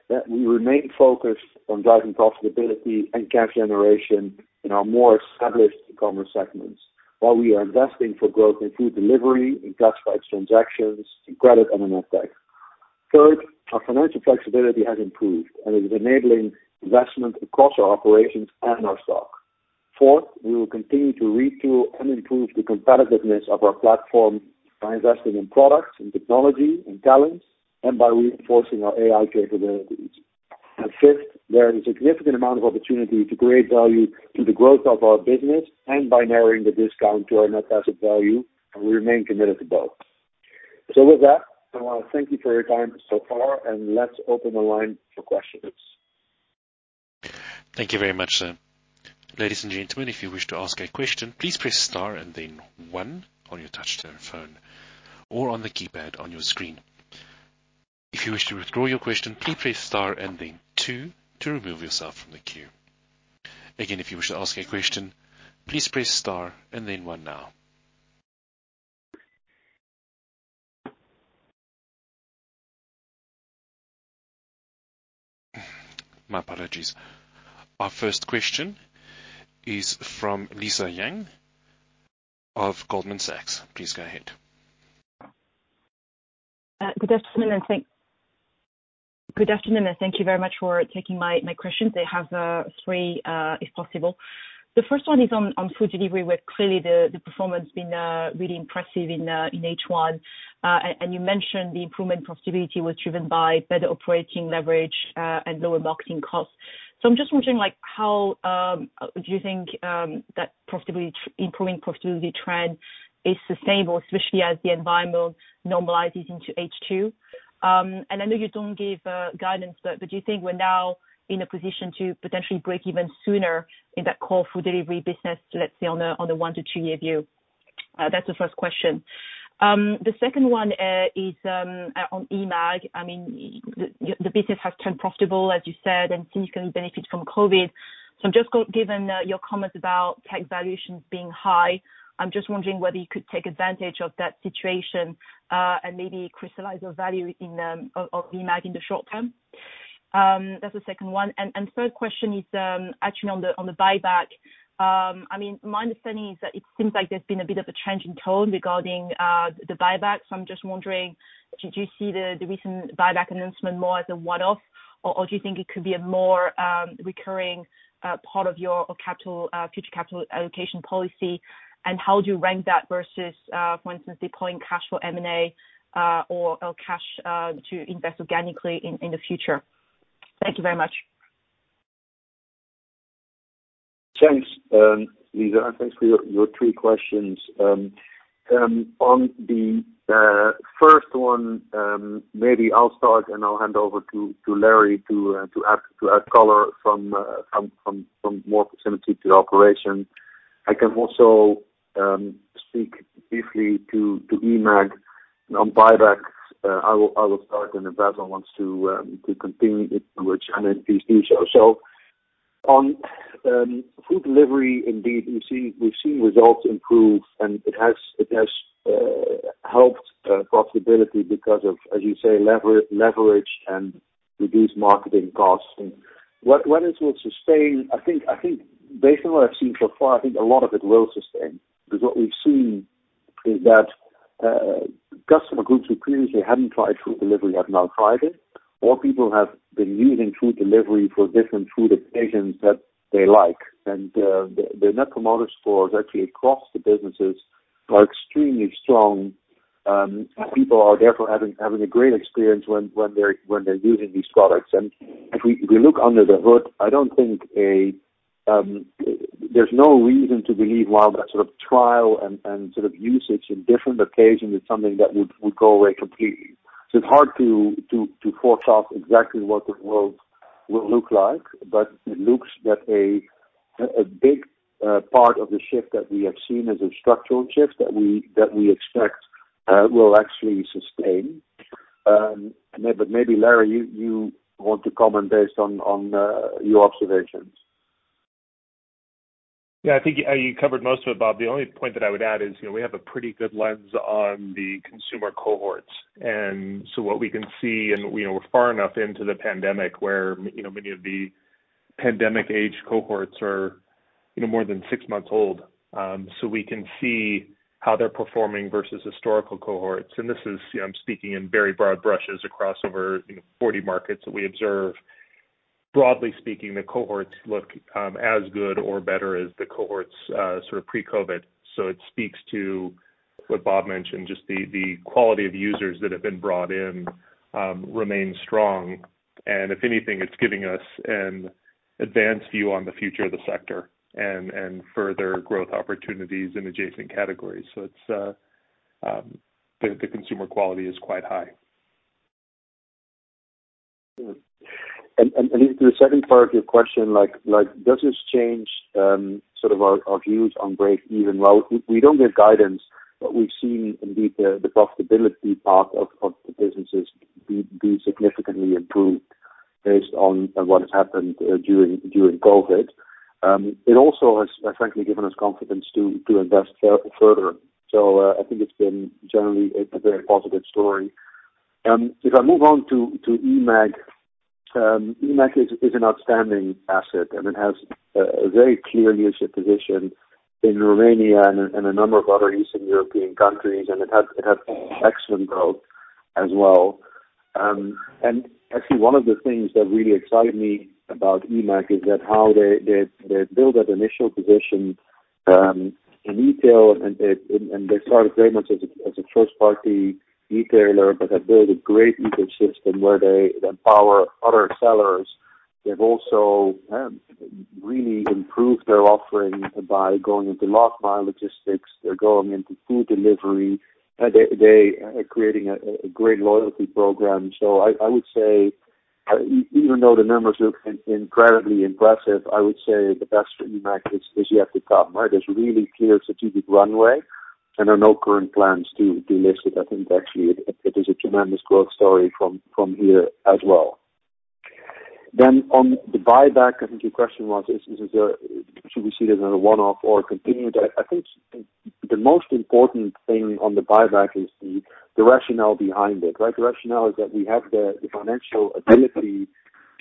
that we remain focused on driving profitability and cash generation in our more established commerce segments while we are investing for growth in food delivery, in classifieds transactions, in credit and in FinTech. Third, our financial flexibility has improved, and it is enabling investment across our operations and our stock. Fourth, we will continue to retool and improve the competitiveness of our platform by investing in products, in technology, in talents, and by reinforcing our AI capabilities. Fifth, there is a significant amount of opportunity to create value through the growth of our business and by narrowing the discount to our net asset value, and we remain committed to both. With that, I want to thank you for your time so far, and let's open the line for questions. Thank you very much. Ladies and gentlemen, if you wish to ask a question, please press star and then one on your touchtone phone or on the keypad on your screen. If you wish to withdraw your question, please press star then two to remove yourself from the queue. Again, if you wish to ask a question, please press star and then one now. My apologies. Our first question is from Lisa Yang of Goldman Sachs. Please go ahead. Good afternoon, and thank.. Good aftenoon and thank you very much for taking my questions. I have three, if possible. The first one is on food delivery, where clearly the performance has been really impressive in H1. And you mentioned the improvement profitability was driven by better operating leverage and lower marketing costs. I'm just wondering, like how do you think that profitibility-- improving profitability trend is sustainable, especially as the environment normalizes into H2? And I know you don't give guidance, but do you think we're now in a position to potentially break even sooner in that core food delivery business, let's say on a one to two-year view? That's the first question. The second one is on eMAG, I mean, the business has turned profitable, as you said, and seems to benefit from COVID. So, just given your comments about tech valuations being high, I'm just wondering whether you could take advantage of that situation and maybe crystallize the value of eMAG in the short term. That's the second one. Third question is actually on the buyback. My understanding is that it seems like there's been a bit of a change in tone regarding the buyback. I'm just wondering, did you see the recent buyback announcement more as a one-off, or do you think it could be a more recurring part of your future capital allocation policy? And How would you rank that versus, for instance, deploying cash for M&A or cash to invest organically in the future? Thank you very much. Thanks, Lisa. Thanks for your three questions. On the first one, maybe I'll start, and I'll hand over to Larry to add color from more proximity to the operation. I can also speak briefly to eMAG. On buybacks, I will start, and if Basil wants to continue, he's new, so. On food delivery, indeed, we've seen results improve, and it has helped profitability because of, as you say, leverage and reduced marketing costs. Whether it will sustain, based on what I've seen so far, I think a lot of it will sustain, because what we've seen is that customer groups who previously hadn't tried food delivery have now tried it, or people have been using food delivery for different food occasions that they like. The net promoter scores actually across the businesses are extremely strong. People are therefore having a great experience when they're using these products. If we look under the hood, there's no reason to believe while that sort of trial and sort of usage in different occasions is something that would go away completely. It's hard to forecast exactly what the world will look like, but it looks that a big part of the shift that we have seen is a structural shift that we expect will actually sustain. Maybe, Larry, you want to comment based on your observations. Yeah, I think you covered most of it, Bob. The only point that I would add is we have a pretty good lens on the consumer cohorts. And so what we can see, and we're far enough into the pandemic where many of the pandemic age cohorts are more than six months old. We can see how they're performing versus historical cohorts. This is, I'm speaking in very broad brushes across over 40 markets that we observe. Broadly speaking, the cohorts look as good or better as the cohorts sort of pre-COVID. It speaks to what Bob mentioned, just the quality of users that have been brought in remains strong. If anything, it's giving us an advanced view on the future of the sector and further growth opportunities in adjacent categories. The consumer quality is quite high. To the second part of your question, does this change our views on break even? Well, we don't give guidance, but we've seen indeed the profitability part of the businesses be significantly improved based on what has happened during COVID. It also has frankly given us confidence to invest further. I think it's been generally a very positive story. If I move on to eMAG is an outstanding asset, and it has a very clear leadership position in Romania and a number of other Eastern European countries, and it has excellent growth as well. Actually, one of the things that really excite me about eMAG is that how they built that initial position in retail and they started very much as a first-party retailer, but have built a great ecosystem where they empower other sellers. They've also really improved their offering by going into last mile logistics. They're going into food delivery. They are creating a great loyalty program. I would say, even though the numbers look incredibly impressive, I would say the best for eMAG is yet to come. There's really clear strategic runway and there are no current plans to delist it. I think actually it is a tremendous growth story from here as well. Then, on the buyback, I think your question was, should we see it as a one-off or continued? I think the most important thing on the buyback is the rationale behind it. The rationale is that we have the financial ability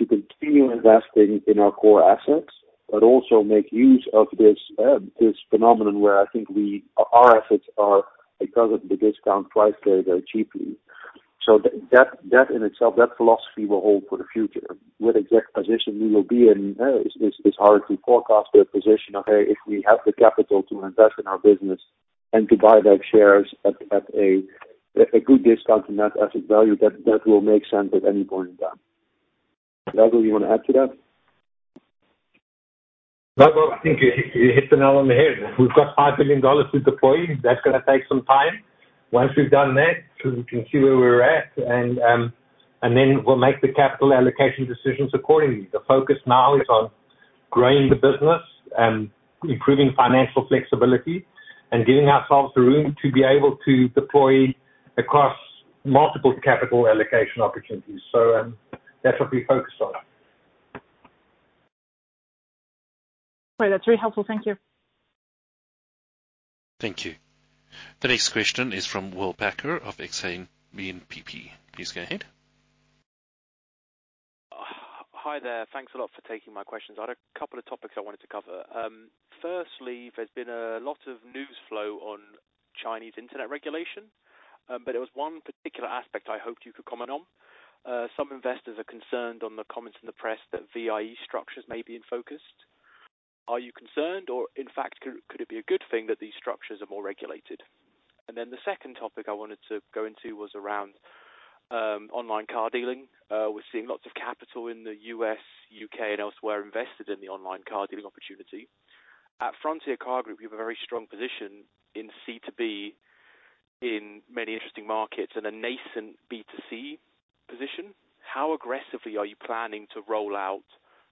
to continue investing in our core assets, but also make use of this phenomenon where I think our assets are, because of the discount price, they're cheaper. That in itself, that philosophy will hold for the future. What exact position we will be in is hard to forecast, but a position of, hey, if we have the capital to invest in our business and to buy back shares at a good discount to net asset value, that will make sense at any point in time. Basil, you want to add to that? No, Bob, I think you hit the nail on the head. We've got $5 billion to deploy. That's gonna take some time. Once we've done that, we can see where we're at, and then we'll make the capital allocation decisions accordingly. The focus now is on growing the business, improving financial flexibility, and giving ourselves the room to be able to deploy across multiple capital allocation opportunities. That's what we're focused on. Great. That's very helpful. Thank you. Thank you. The next question is from Will Packer of Exane BNPP. Please go ahead. Hi there. Thanks a lot for taking my questions. I had a couple of topics I wanted to cover. Firstly, there's been a lot of news flow on Chinese internet regulation, but there was one particular aspect I hoped you could comment on. Some investors are concerned on the comments in the press that VIE structures may be in focus. Are you concerned or, in fact, could it be a good thing that these structures are more regulated? The second topic I wanted to go into was around online car dealing. We're seeing lots of capital in the U.S., U.K., and elsewhere invested in the online car dealing opportunity. At Frontier Car Group, we have a very strong position in C2B in many interesting markets and a nascent B2C position. How aggressively are you planning to roll out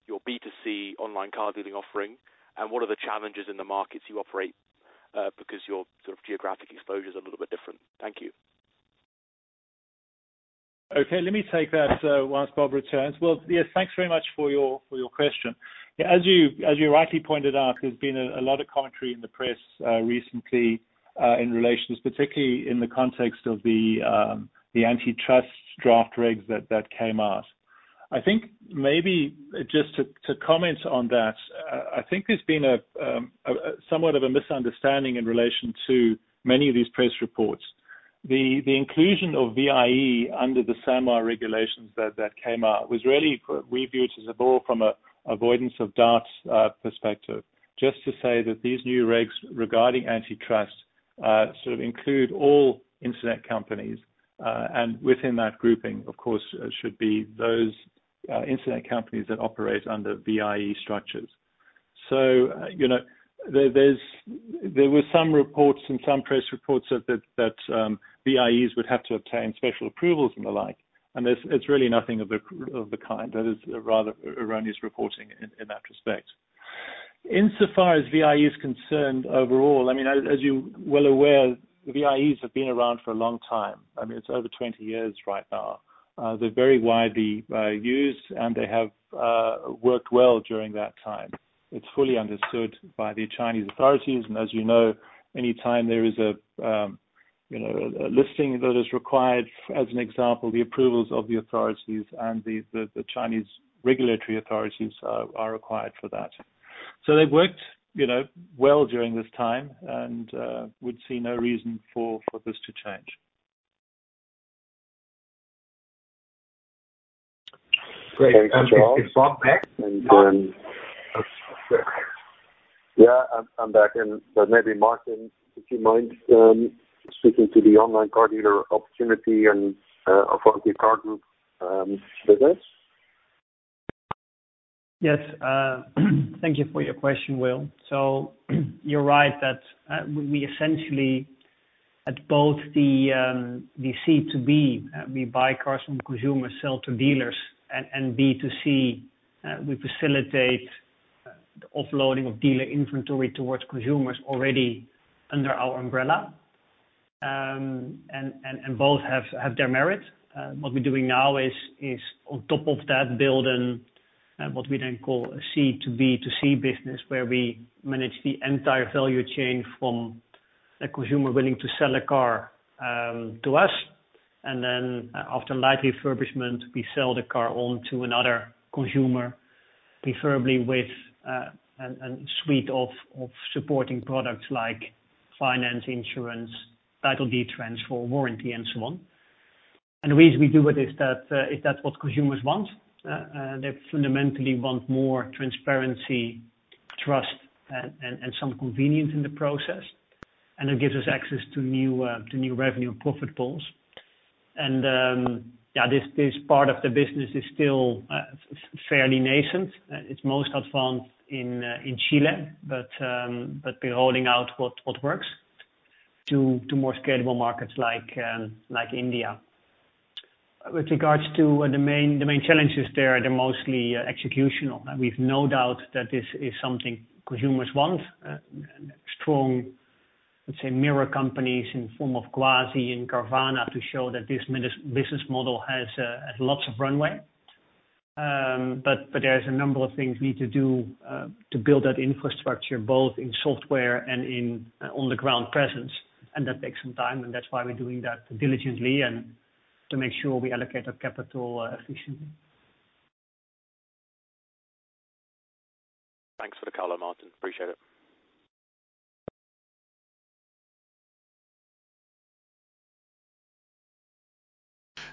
your B2C online car dealing offering? What are the challenges in the markets you operate? Because your geographic exposure is a little bit different? Thank you. Okay, let me take that whilst Bob returns. Will, yes, thanks very much for your question. As you rightly pointed out, there's been a lot of commentary in the press recently in relation, particularly in the context of the antitrust draft regs that came out. I think maybe just to comment on that, I think there's been somewhat of a misunderstanding in relation to many of these press reports. The inclusion of VIE under the SAMR regulations that came out was really reviewed as a bill from an avoidance of doubts perspective. Just to say that these new regs regarding antitrust sort of include all internet companies, and within that grouping, of course, should be those internet companies that operate under VIE structures. So, there were some reports and some press reports that VIEs would have to obtain special approvals and the like, and it's really nothing of the kind. That is rather erroneous reporting in that respect. Insofar as VIE is concerned overall, as you're well aware, VIEs have been around for a long time. It's over 20 years right now. They're very widely used, and they have worked well during that time. It's fully understood by the Chinese authorities, and as you know, any time there is a listing that is required, as an example, the approvals of the authorities and the Chinese regulatory authorities are required for that. They've worked well during this time, and we'd see no reason for this to change. Great. Thanks, Charles. Is Bob back? Yeah, I'm back. And maybe Martin, if you mind speaking to the online car dealer opportunity and Frontier Car Group business. Yes. Thank you for your question, Will. You're right that we essentially at both the C2B, we buy cars from consumers, sell to dealers, and B2C, we facilitate the offloading of dealer inventory towards consumers already under our umbrella. Both have their merit. What we're doing now is on top of that building, what we then call a C2B2C business, where we manage the entire value chain from a consumer willing to sell a car to us, and then after light refurbishment, we sell the car on to another consumer, preferably with a suite of supporting products like finance, insurance, title deed transfer, warranty, and so on. The reason we do it is that's what consumers want. They fundamentally want more transparency, trust, and some convenience in the process. And it gives us access to new revenue and profit pools. This part of the business is still fairly nascent. It's most advanced in Chile, but we're rolling out what works to more scalable markets like India. With regards to the main challenges there, they're mostly executional. We've no doubt that this is something consumers want. Strong, let's say mirror companies in form of Guazi and Carvana to show that this business model has lots of runway. There's a number of things we need to do, to build that infrastructure, both in software and in on the ground presence. That takes some time, and that's why we're doing that diligently and to make sure we allocate that capital efficiently. Thanks for the color, Martin. Appreciate it.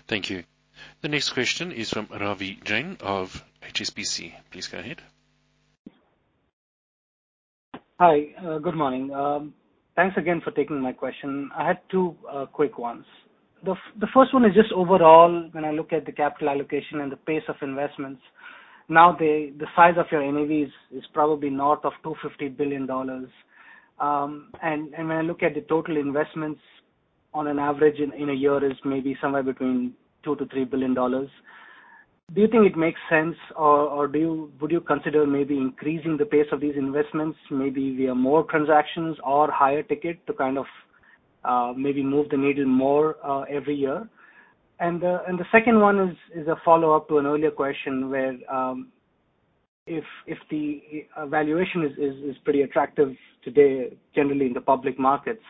Thank you. The next question is from Ravi Jain of HSBC. Please go ahead. Hi. Good morning. Thanks again for taking my question. I had two quick ones. The first one is just overall, when I look at the capital allocation and the pace of investments, now the size of your NAV is probably north of $250 billion. When I look at the total investments on average in a year is maybe somewhere between $2 billion-3 billion. Do you think it makes sense, or would you consider maybe increasing the pace of these investments? Maybe via more transactions or higher ticket to maybe move the needle more every year. The second one is a follow-up to an earlier question where, if the valuation is pretty attractive today, generally in the public markets,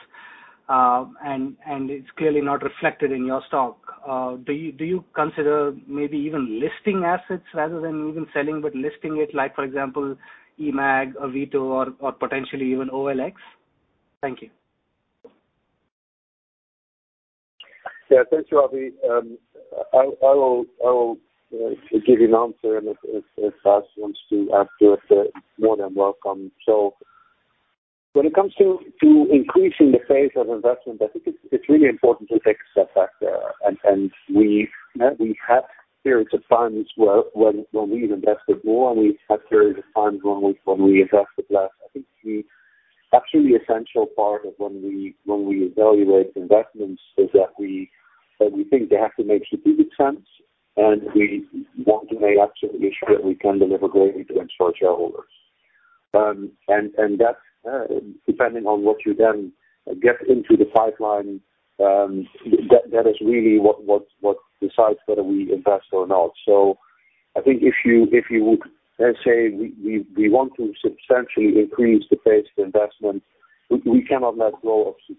and it's clearly not reflected in your stock, do you consider maybe even listing assets rather than even selling, but listing it, like for example, eMAG, Avito, or potentially even OLX? Thank you. Yeah, thanks, Ravi. I will give you an answer, and if Bas wants to add to it, more than welcome. When it comes to increasing the pace of investment, I think it's really important to take a step back there. And then we've had periods of times where when we've invested more, and we've had periods of times when we invested less. I think the actually essential part of when we evaluate investments is that we think they have to make strategic sense, and we want to make absolutely sure that we can deliver great returns for our shareholders. That, depending on what you then get into the pipeline, that is really what decides whether we invest or not. I think if you, let's say, we want to substantially increase the pace of investment, we cannot let go of the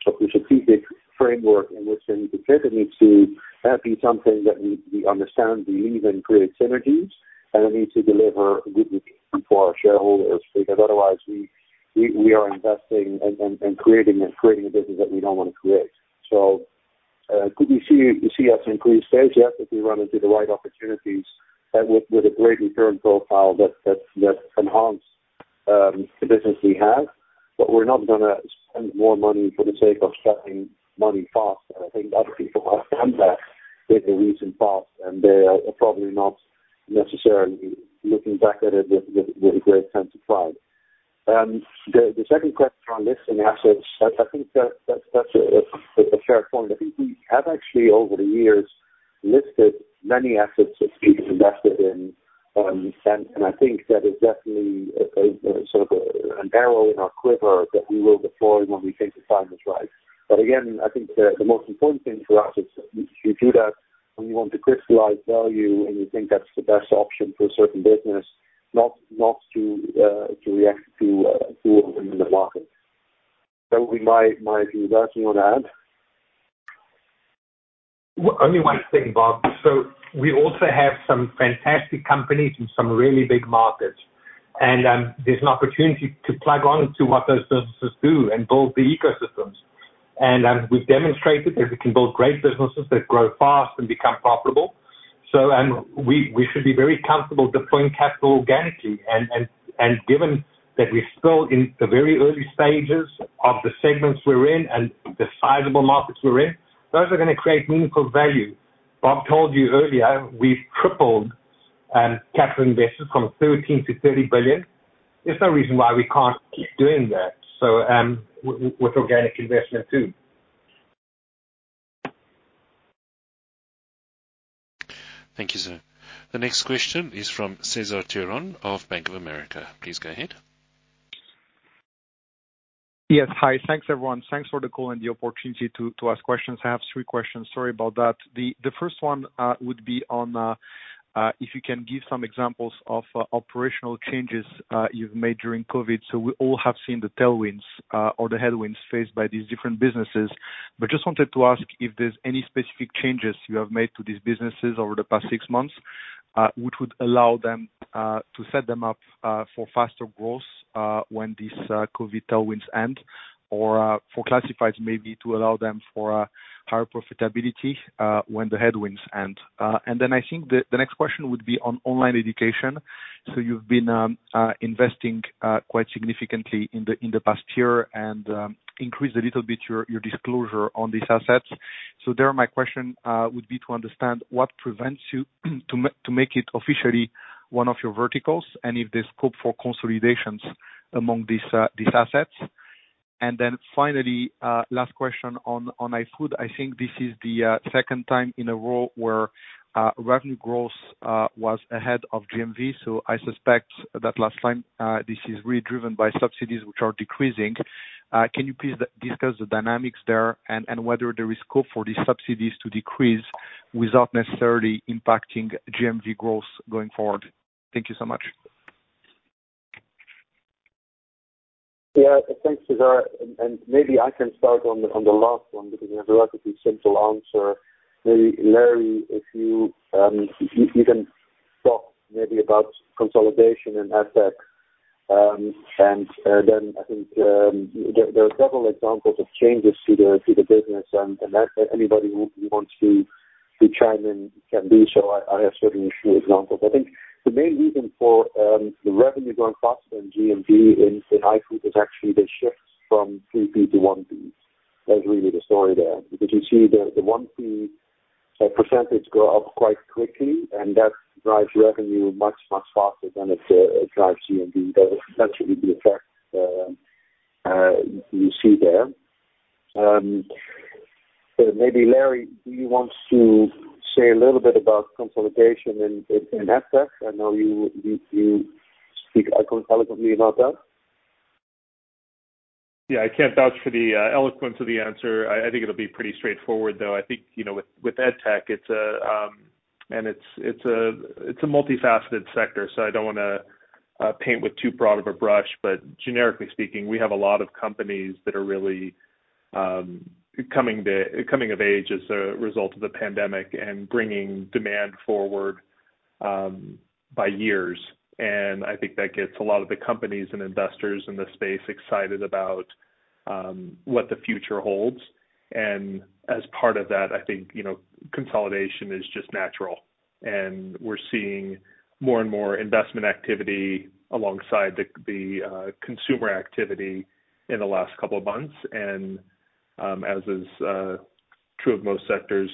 strategic framework in which we determine it to be something that we understand, believe in, create synergies, and it needs to deliver good return for our shareholders, because otherwise we are investing and creating a business that we don't want to create. Could we see us increase pace? Yes, if we run into the right opportunities with a great return profile that enhance the business we have, but we're not gonna spend more money for the sake of spending money faster. I think other people have done that in the recent past, and they are probably not necessarily looking back at it with a great sense of pride. The second question on listing assets, I think that's a fair point. I think we have actually, over the years, listed many assets that we've invested in. I think that is definitely sort of an arrow in our quiver that we will deploy when we think the time is right. Again, I think the most important thing for us is you do that when you want to crystallize value, and you think that's the best option for a certain business, not to react to movements in the market. Basil, you might want to add? Only one thing, Bob. We also have some fantastic companies in some really big markets, and there's an opportunity to plug on to what those businesses do and build the ecosystems. And as we've demonstrated that we can build great businesses that grow fast and become profitable. So, and we should be very comfortable deploying capital organically. And given that we're still in the very early stages of the segments we're in and the sizable markets we're in, those are going to create meaningful value. Bob told you earlier, we've tripled capital invested from $13 billion to 30 billion. There's no reason why we can't keep doing that, so with organic investment too. Thank you, sir. The next question is from Cesar Tiron of Bank of America. Please go ahead. Yes. Hi. Thanks, everyone. Thanks for the call and the opportunity to ask questions. I have three questions. Sorry about that. The first one would be if you can give some examples of operational changes you've made during COVID-19. We all have seen the tailwinds or the headwinds faced by these different businesses, but just wanted to ask if there's any specific changes you have made to these businesses over the past six months, which would allow them to set them up for faster growth when these COVID-19 tailwinds end, or for classifieds maybe to allow them for higher profitability when the headwinds end. I think the next question would be on online education. You've been investing quite significantly in the past year and increased a little bit your disclosure on these assets. There, my question would be to understand what prevents you to make it officially one of your verticals, and if there's scope for consolidations among these assets. And then, finally, last question on iFood. I think this is the second time in a row where revenue growth was ahead of GMV. I suspect that last time this is really driven by subsidies which are decreasing. Can you please discuss the dynamics there and whether there is scope for these subsidies to decrease without necessarily impacting GMV growth going forward? Thank you so much. Yeah. Thanks, Cesar. Maybe I can start on the last one because it has a relatively simple answer. Maybe Larry, if you can talk maybe about consolidation and EdTech. Then I think there are several examples of changes to the business and anybody who wants to chime in can do so. I have certainly a few examples. I think the main reason for the revenue growing faster than GMV in iFood is actually the shift from 3P to 1P. That's really the story there. You see the 1P percentage go up quite quickly, and that drives revenue much, much faster than it drives GMV. That is essentially the effect you see there. Maybe Larry, do you want to say a little bit about consolidation in EdTech? I know you speak eloquently about that. I can't vouch for the eloquence of the answer. I think it'll be pretty straightforward, though. I think, with EdTech, it's a multifaceted sector. I don't want to paint with too broad of a brush. Generically speaking, we have a lot of companies that are really coming of age as a result of the pandemic and bringing demand forward by years. I think that gets a lot of the companies and investors in the space excited about what the future holds. As part of that, I think, consolidation is just natural. We're seeing more and more investment activity alongside the consumer activity in the last couple of months. As is true of most sectors,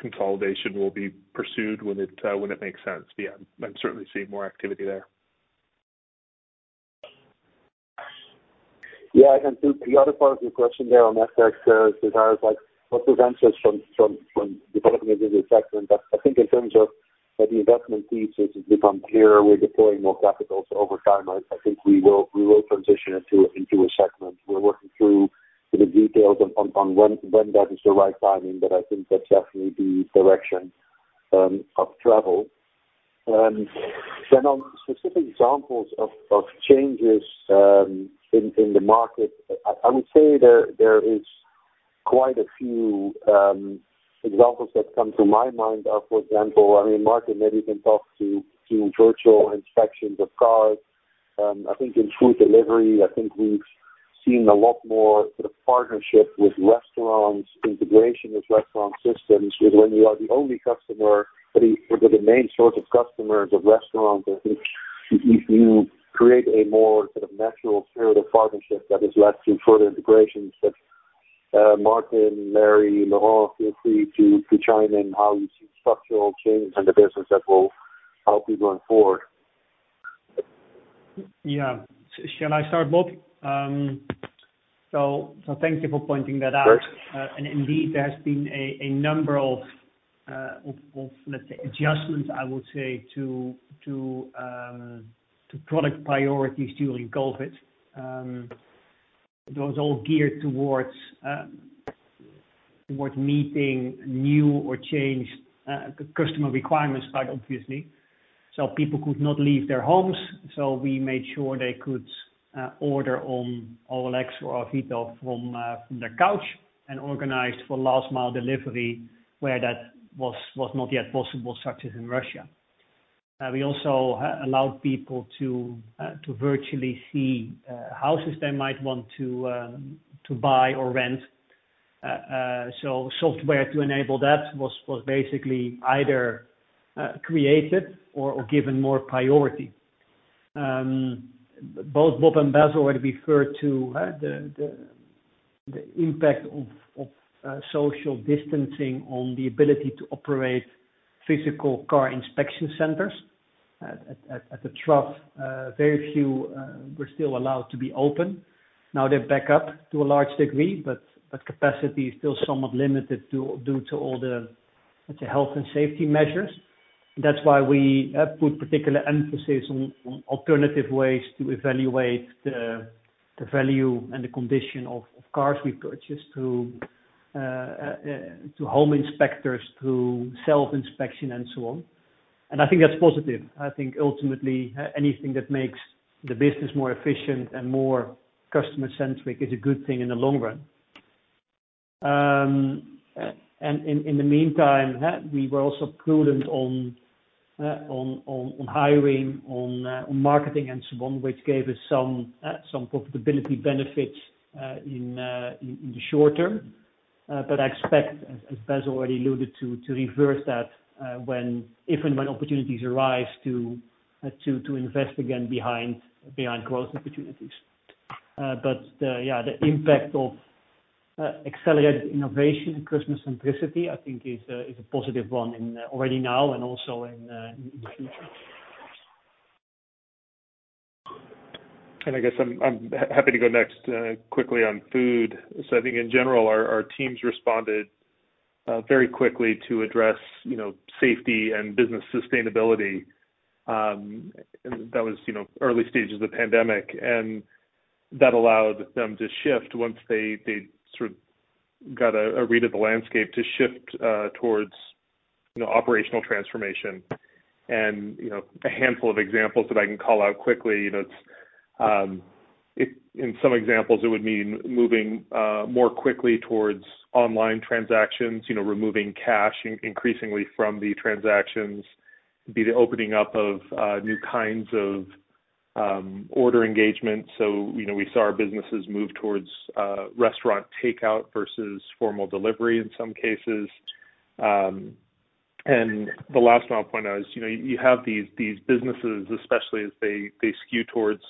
consolidation will be pursued when it makes sense. I'm certainly seeing more activity there. Yeah. I think the other part of your question there on EdTech, Cesar, is what prevents us from developing it as a segment? I think in terms of the investment thesis, it's become clearer. We're deploying more capital. Over time, I think we will transition it into a segment. We're working through the details on when that is the right timing, but I think that's definitely the direction of travel. On specific examples of changes in the market, I would say there is quite a few. Examples that come to my mind are, for example, Martin maybe can talk to virtual inspections of cars. I think in food delivery, I think we've seen a lot more sort of partnership with restaurants, integration with restaurant systems. When you are the only customer or the main source of customers of restaurants, I think if you create a more sort of natural spirit of partnership, that has led to further integrations that Martin, Larry, Laurent, feel free to chime in how you see structural change in the business that will help you going forward. Yeah. Shall I start, Bob? Thank you for pointing that out. Sure. Indeed, there has been a number of adjustments to product priorities during COVID. Those all geared towards meeting new or changed customer requirements, quite obviously. People could not leave their homes, so we made sure they could order on OLX or Avito from their couch and organized for last mile delivery where that was not yet possible, such as in Russia. We also allowed people to virtually see houses they might want to buy or rent. Software to enable that was basically either created or given more priority. Both Bob and Basil already referred to the impact of social distancing on the ability to operate physical car inspection centers. At the trough, very few were still allowed to be open. Now they're back up to a large degree, but capacity is still somewhat limited due to all the health and safety measures. That's why we put particular emphasis on alternative ways to evaluate the value and the condition of cars we purchased, to home inspectors, through self-inspection and so on. And I think that's positive. I think ultimately, anything that makes the business more efficient and more customer-centric is a good thing in the long run. And in the meantime, we were also prudent on hiring, on marketing and so on, which gave us some profitability benefits in the short term. I expect, as Basil already alluded to reverse that if and when opportunities arise to invest again behind growth opportunities. That's the, yeah, the impact of accelerated innovation, customer centricity, I think is a positive one already now and also in the future. I guess I'm happy to go next quickly on food. I think in general, our teams responded very quickly to address safety and business sustainability. That was early stages of the pandemic, and that allowed them to shift once they sort of got a read of the landscape to shift towards operational transformation. A handful of examples that I can call out quickly, in some examples, it would mean moving more quickly towards online transactions, removing cash increasingly from the transactions, be the opening up of new kinds of order engagement. We saw our businesses move towards restaurant takeout versus formal delivery in some cases. The last one I'll point out is, you have these businesses, especially as they skew towards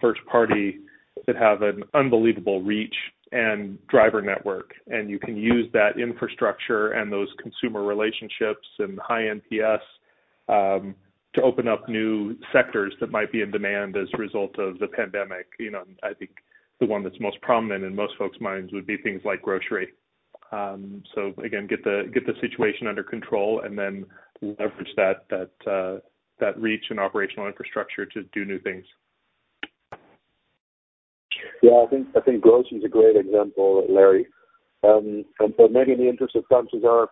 first party, that have an unbelievable reach and driver network, and you can use that infrastructure and those consumer relationships and high NPS to open up new sectors that might be in demand as a result of the pandemic, you know, I think the one that's most prominent in most folks' minds would be things like grocery. Again, get the situation under control and then leverage that reach and operational infrastructure to do new things. Yeah, I think grocery is a great example, Larry. Maybe in the interest of time, Cesar,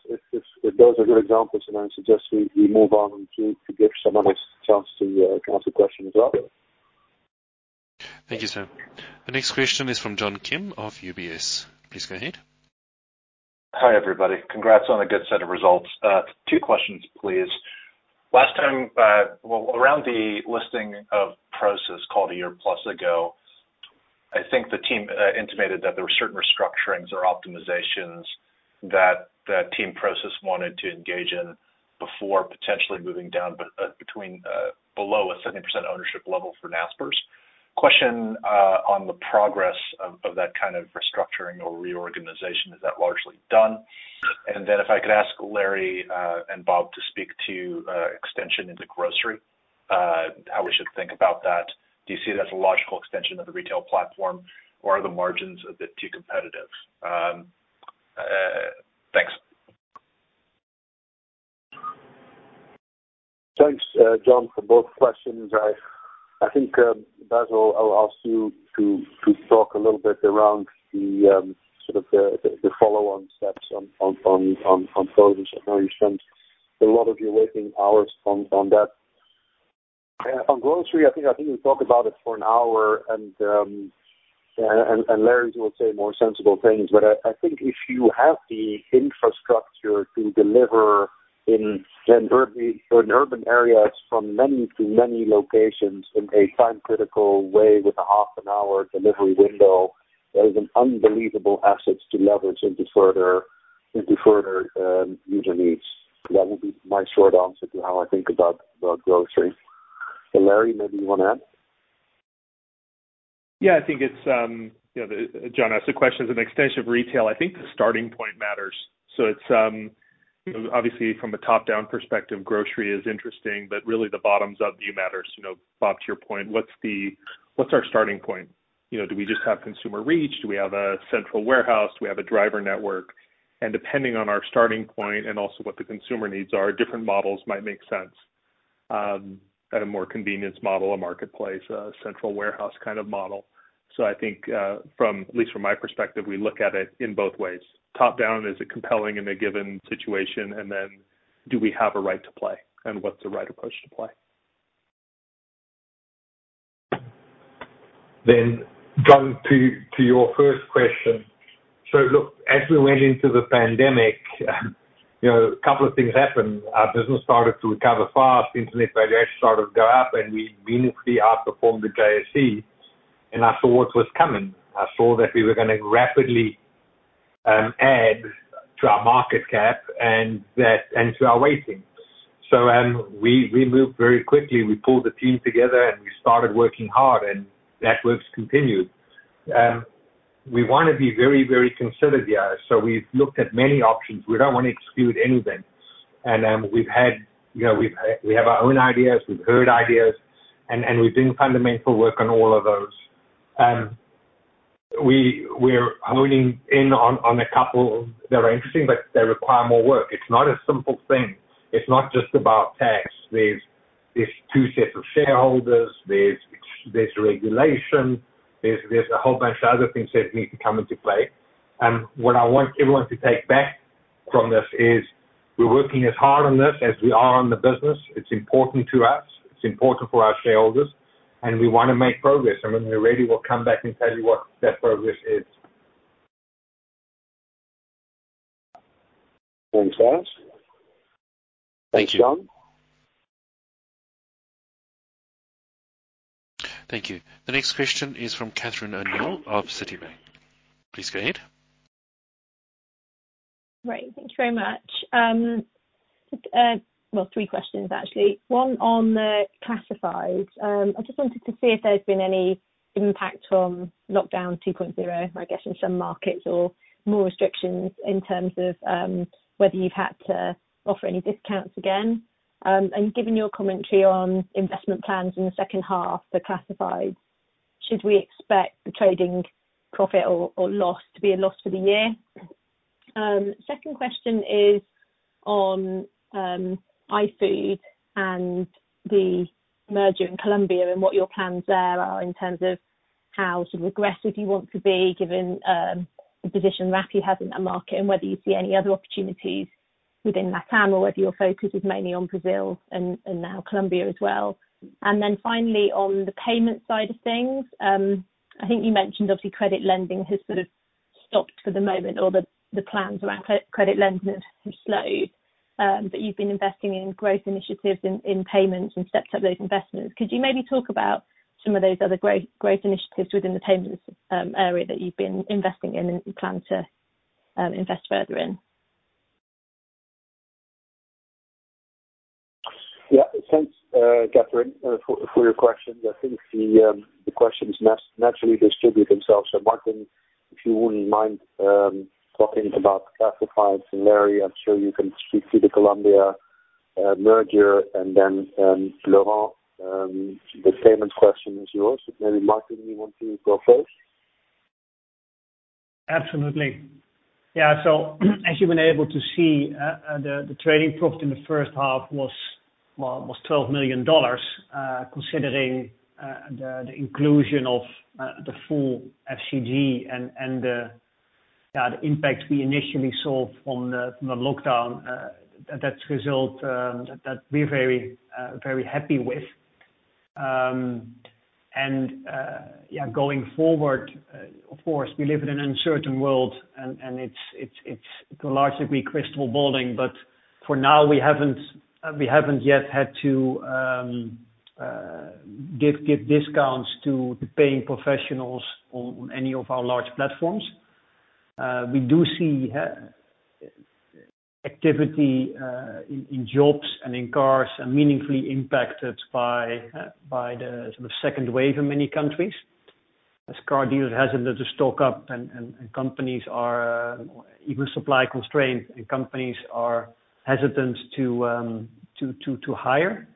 if those are your examples, then I suggest we move on to give someone else a chance to ask a question as well. Thank you, sir. The next question is from John Kim of UBS. Please go ahead. Hi, everybody. Congrats on a good set of results. Two questions, please. Last time, well, around the listing of Prosus call a year plus ago, I think the team intimated that there were certain restructurings or optimizations that team Prosus wanted to engage in before potentially moving down between below a 70% ownership level for Naspers. Question on the progress of that kind of restructuring or reorganization, is that largely done? If I could ask Larry and Bob to speak to extension into grocery, how we should think about that. Do you see it as a logical extension of the retail platform, or are the margins a bit too competitive? Thanks. Thanks, John, for both questions. I think, Basil, I'll ask you to talk a little bit around the follow-on steps on Prosus. I know you spent a lot of your waking hours on that. On grocery, I think we could talk about it for an hour, and Larry will say more sensible things. I think if you have the infrastructure to deliver in urban areas from many to many locations in a time-critical way with a half an hour delivery window, that is an unbelievable asset to leverage into further user needs. That would be my short answer to how I think about grocery. Larry, maybe you want to add? Yeah.I think it's-- John asked the question, as an extension of retail, I think the starting point matters. Obviously, from a top-down perspective, grocery is interesting, but really the bottoms-up view matters. Bob, to your point, what's our starting point? Do we just have consumer reach? Do we have a central warehouse? Do we have a driver network? Depending on our starting point and also what the consumer needs are, different models might make sense at a more convenience model, a marketplace, a central warehouse kind of model. I think, at least from my perspective, we look at it in both ways. Top-down, is it compelling in a given situation? And then, do we have a right to play, and what's the right approach to play? Then, John to your first question. Look, as we went into the pandemic, a couple of things happened. Our business started to recover fast. Internet valuation started to go up, and we meaningfully outperformed the JSE, and I saw what was coming. I saw that we were going to rapidly add to our market cap and to our weighting. We moved very quickly. We pulled the team together, and we started working hard, and that work's continued. And we want to be very, very considered here. So we've looked at many options. We don't want to exclude anything. And then we have our own ideas. We've heard ideas, and we're doing fundamental work on all of those. And we're honing in on a couple that are interesting, but they require more work. It's not a simple thing. It's not just about tax. There's two sets of shareholders. There's regulation. There's a whole bunch of other things that need to come into play. What I want everyone to take back from this is, we're working as hard on this as we are on the business. It's important to us. It's important for our shareholders, and we want to make progress. When we're ready, we'll come back and tell you what that progress is. Thanks, Bas. Thanks, John. Thank you. The next question is from Catherine O'Neill of Citibank. Please go ahead. Right. Thank you very much. Three questions, actually. One on the classifieds. I just wanted to see if there's been any impact from lockdown 2.0, I guess, in some markets or more restrictions in terms of whether you've had to offer any discounts again. Given your commentary on investment plans in the second half for classifieds, should we expect the trading profit or loss to be a loss for the year? Second question is on iFood and the merger in Colombia and what your plans there are in terms of how sort of aggressive you want to be given the position Rappi has in that market, whether you see any other opportunities within LATAM or whether your focus is mainly on Brazil and now Colombia as well. Finally, on the payment side of things, I think you mentioned, obviously, credit lending has sort of stopped for the moment, or the plans around credit lending have slowed. You've been investing in growth initiatives in payments and stepped up those investments. Could you maybe talk about some of those other growth initiatives within the payments area that you've been investing in and plan to invest further in? Yeah. Thanks, Catherine, for your questions. I think the questions naturally distribute themselves. Martin, if you wouldn't mind talking about classifieds, and Larry, I'm sure you can speak to the Colombia merger, and then Laurent, the payment question is yours. Maybe Martin, you want to go first? Absolutely. Yeah. So, as you've been able to see, the trading profit in the first half was $12 million, considering the inclusion of the full FCG and the impact we initially saw from the lockdown. That's a result that we're very happy with. Going forward, of course, we live in an uncertain world, and it's largely we're crystal balling. For now, we haven't yet had to give discounts to paying professionals on any of our large platforms. We do see activity in jobs and in cars meaningfully impacted by the sort of second wave in many countries. As car dealers hesitant to stock up, and companies are even supply constrained, and companies are hesitant to hire.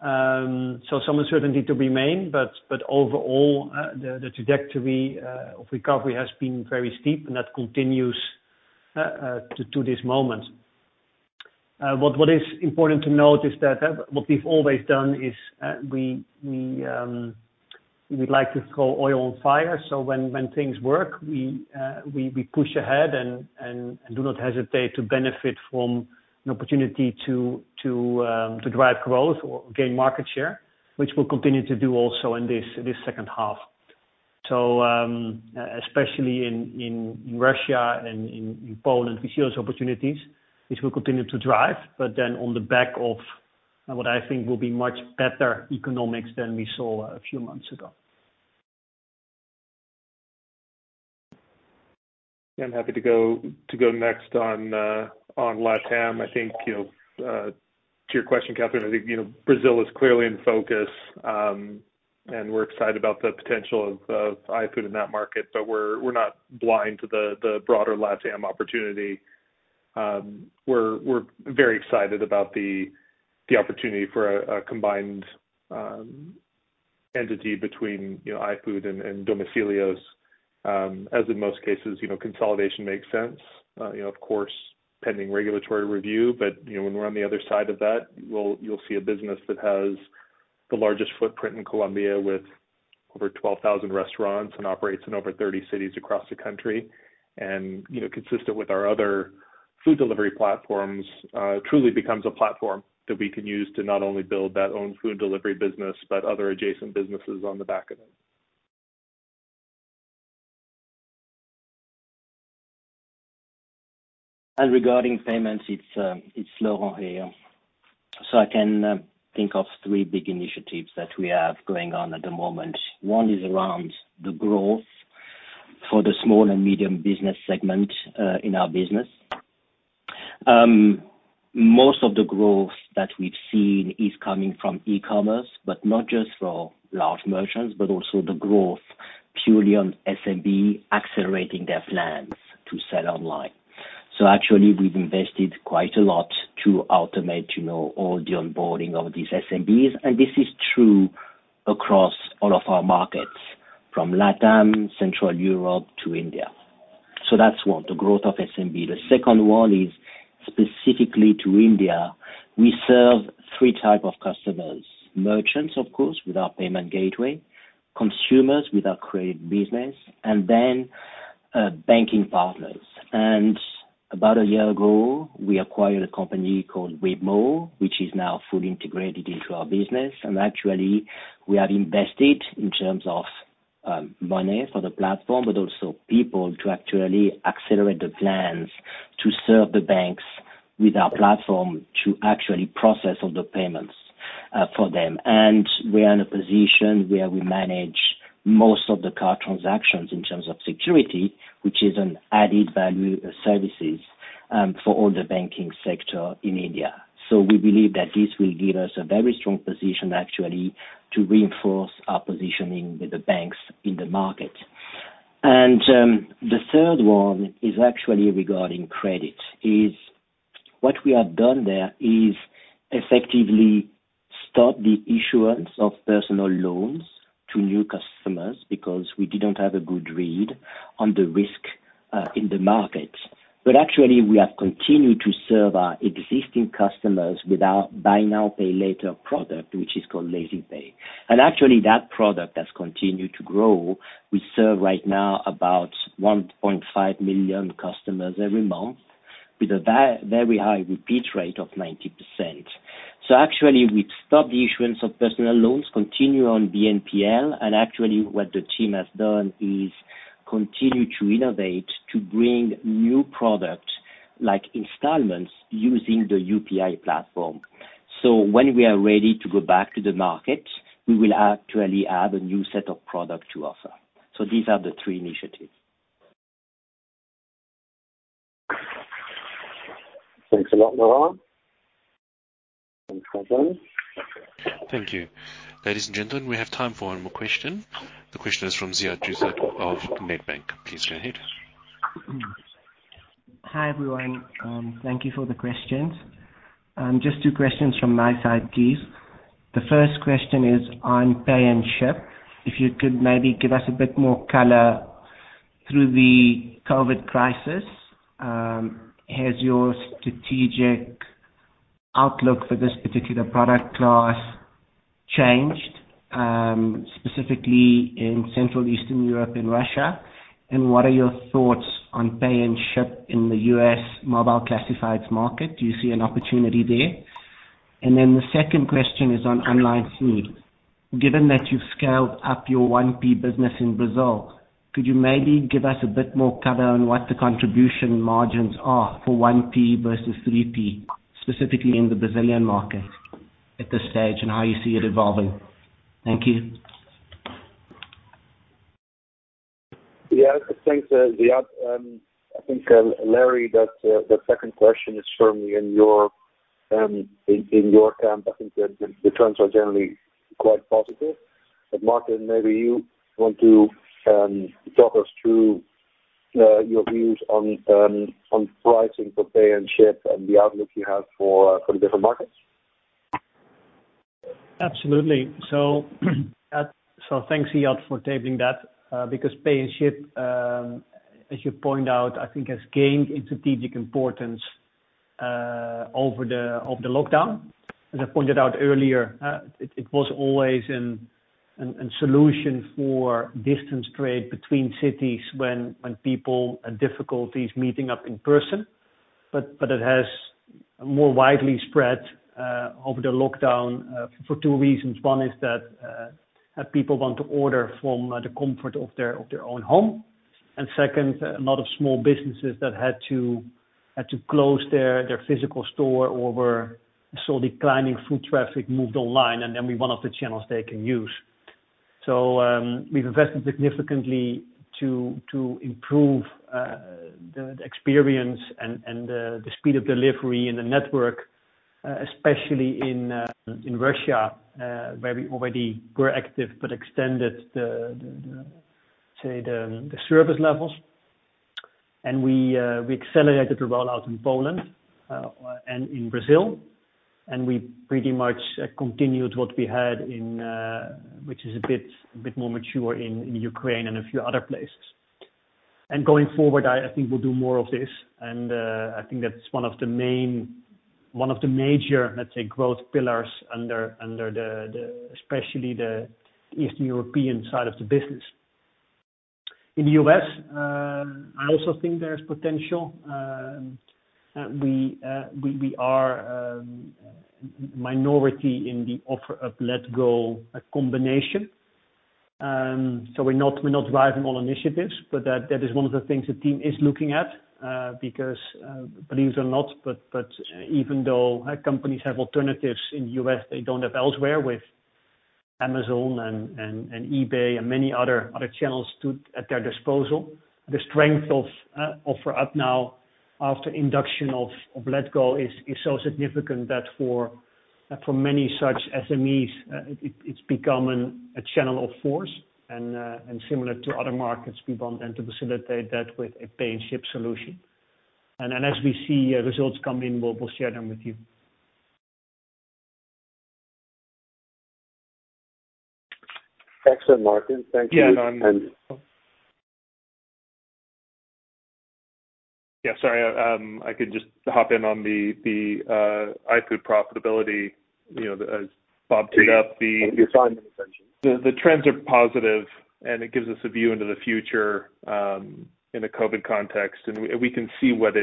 Some uncertainty could remain, but overall, the trajectory of recovery has been very steep, and that continues to this moment. What is important to note is that what we've always done is we like to throw oil on fire. When things work, we push ahead and do not hesitate to benefit from an opportunity to drive growth or gain market share, which we'll continue to do also in this second half. Especially in Russia and in Poland, we see those opportunities, which we'll continue to drive on the back of what I think will be much better economics than we saw a few months ago. Yeah. I'm happy to go next on LATAM. To your question, Catherine, I think Brazil is clearly in focus, and we're excited about the potential of iFood in that market. We're not blind to the broader LATAM opportunity. We're very excited about the opportunity for a combined entity between the iFood and Domicilios. As in most cases, consolidation makes sense. Of course, pending regulatory review. When we're on the other side of that, you'll see a business that has the largest footprint in Colombia with over 12,000 restaurants and operates in over 30 cities across the country. Consistent with our other food delivery platforms truly becomes a platform that we can use to not only build that own food delivery business, but other adjacent businesses on the back of it. Regarding payments, it's Laurent here. I can think of three big initiatives that we have going on at the moment. One is around the growth for the small and medium business segment in our business. Most of the growth that we've seen is coming from e-commerce, but not just for large merchants, but also the growth purely on SMB accelerating their plans to sell online. Actually, we've invested quite a lot to automate all the onboarding of these SMBs, and this is true across all of our markets from LATAM, Central Europe, to India. That's one, the growth of SMB. The second one is specifically to India. We serve three type of customers. Merchants, of course, with our payment gateway, consumers with our credit business, and then banking partners. And about a year ago, we acquired a company called Wibmo, which is now fully integrated into our business. Actually, we have invested in terms of money for the platform, but also people to actually accelerate the plans to serve the banks with our platform to actually process all the payments for them. We are in a position where we manage most of the card transactions in terms of security, which is an added-value services for all the banking sector in India. We believe that this will give us a very strong position actually to reinforce our positioning with the banks in the market. The third one is actually regarding credit, is what we have done there is effectively stop the issuance of personal loans to new customers because we didn't have a good read on the risk in the market. But actually, we have continued to serve our existing customers with our buy now, pay later product, which is called LazyPay. And actually, that product has continued to grow. We serve right now about 1.5 million customers every month with a very high repeat rate of 90%. We've stopped the issuance of personal loans, continue on BNPL, and actually what the team has done is continue to innovate to bring new product like installments using the UPI platform. So when we are ready to go back to the market, we will actually add a new set of product to offer. These are the three initiatives. Thanks a lot, Laurent. [inaudible] Thank you. Ladies and gentlemen, we have time for one more question. The question is from Ziyad Joosub of Nedbank. Please go ahead. Hi, everyone. Thank you for the questions. Just two questions from my side, please. The first question is on pay and ship. If you could maybe give us a bit more color through the COVID crisis, has your strategic outlook for this particular product class changed, specifically in Central Eastern Europe and Russia? What are your thoughts on pay and ship in the U.S. mobile classifieds market? Do you see an opportunity there? The second question is on online food. Given that you've scaled up your 1P business in Brazil, could you maybe give us a bit more color on what the contribution margins are for 1P versus 3P, specifically in the Brazilian market at this stage, and how you see it evolving? Thank you. Yeah. Thanks, Ziyad. I think, Larry, that second question is firmly in your camp. I think the trends are generally quite positive. Martin, maybe you want to talk us through your views on pricing for pay and ship and the outlook you have for the different markets. Absolutely. So, thanks, Ziyad, for tabling that, because pay and ship, as you point out, I think has gained in strategic importance over the lockdown. As I pointed out earlier, it was always a solution for distance trade between cities when people had difficulties meeting up in person. It has more widely spread over the lockdown for two reasons. One is that people want to order from the comfort of their own home. And second, a lot of small businesses that had to close their physical store or saw declining foot traffic moved online, and then we're one of the channels they can use. So, we've invested significantly to improve the experience and the speed of delivery in the network, especially in Russia, where we already were active but extended the service levels. We accelerated the rollout in Poland and in Brazil, and we pretty much continued what we had in, which is a bit more mature in Ukraine and a few other places. Going forward, I think we'll do more of this, and I think that's one of the major, let's say, growth pillars under especially the Eastern European side of the business. In the U.S., I also think there's potential. We are minority in the OfferUp-Letgo combination. We're not driving all initiatives, but that is one of the things the team is looking at, because believe it or not, but even though companies have alternatives in the U.S., they don't have elsewhere with Amazon and eBay and many other channels at their disposal. The strength of OfferUp now after induction of Letgo is so significant that for many such SMEs, it's become a channel of force, and similar to other markets, we want then to facilitate that with a pay and ship solution. As we see results come in, we'll share them with you. Excellent, Martin. Thank you. Yeah. Sorry, I could just hop in on the iFood profitability, as Bob brought up. Yes. The trends are positive, and it gives us a view into the future, in a COVID context. And we can see what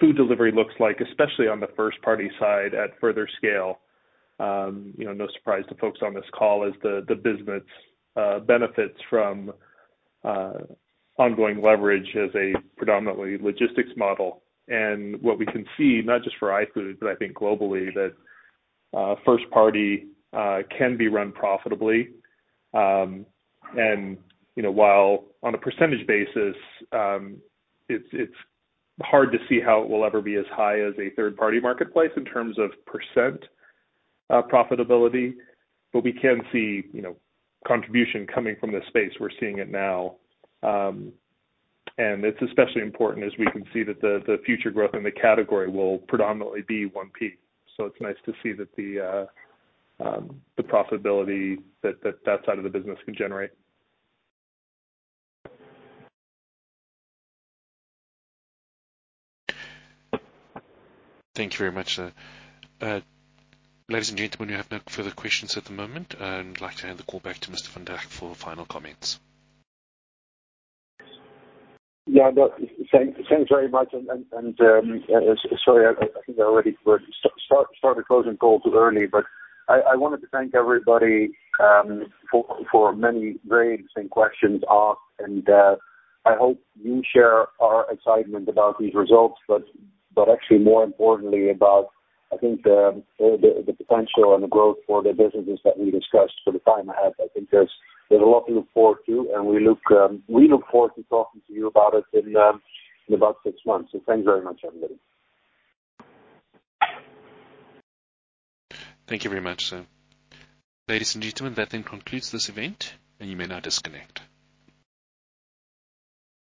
food delivery looks like, especially on the first-party side at further scale. No surprise to folks on this call as the business benefits from ongoing leverage as a predominantly logistics model. What we can see, not just for iFood, but I think globally, that first party can be run profitably. While on a percentage basis, it's hard to see how it will ever be as high as a third-party marketplace in terms of percent profitability. We can see contribution coming from the space. We're seeing it now. It's especially important as we can see that the future growth in the category will predominantly be 1P. It's nice to see that the profitability that that side of the business can generate. Thank you very much. Ladies and gentlemen, we have no further questions at the moment. I'd like to hand the call back to Mr. Van Dijk for final comments. Yeah. Thanks very much. Sorry, I think I already started closing call too early, but I wanted to thank everybody for many very interesting questions asked, and I hope you share our excitement about these results, but actually more importantly about, I think the potential and the growth for the businesses that we discussed for the time ahead. I think there's a lot to look forward to, and we look forward to talking to you about it in about six months. Thanks very much, everybody. Thank you very much, sir. Ladies and gentlemen, that then concludes this event, and you may now disconnect.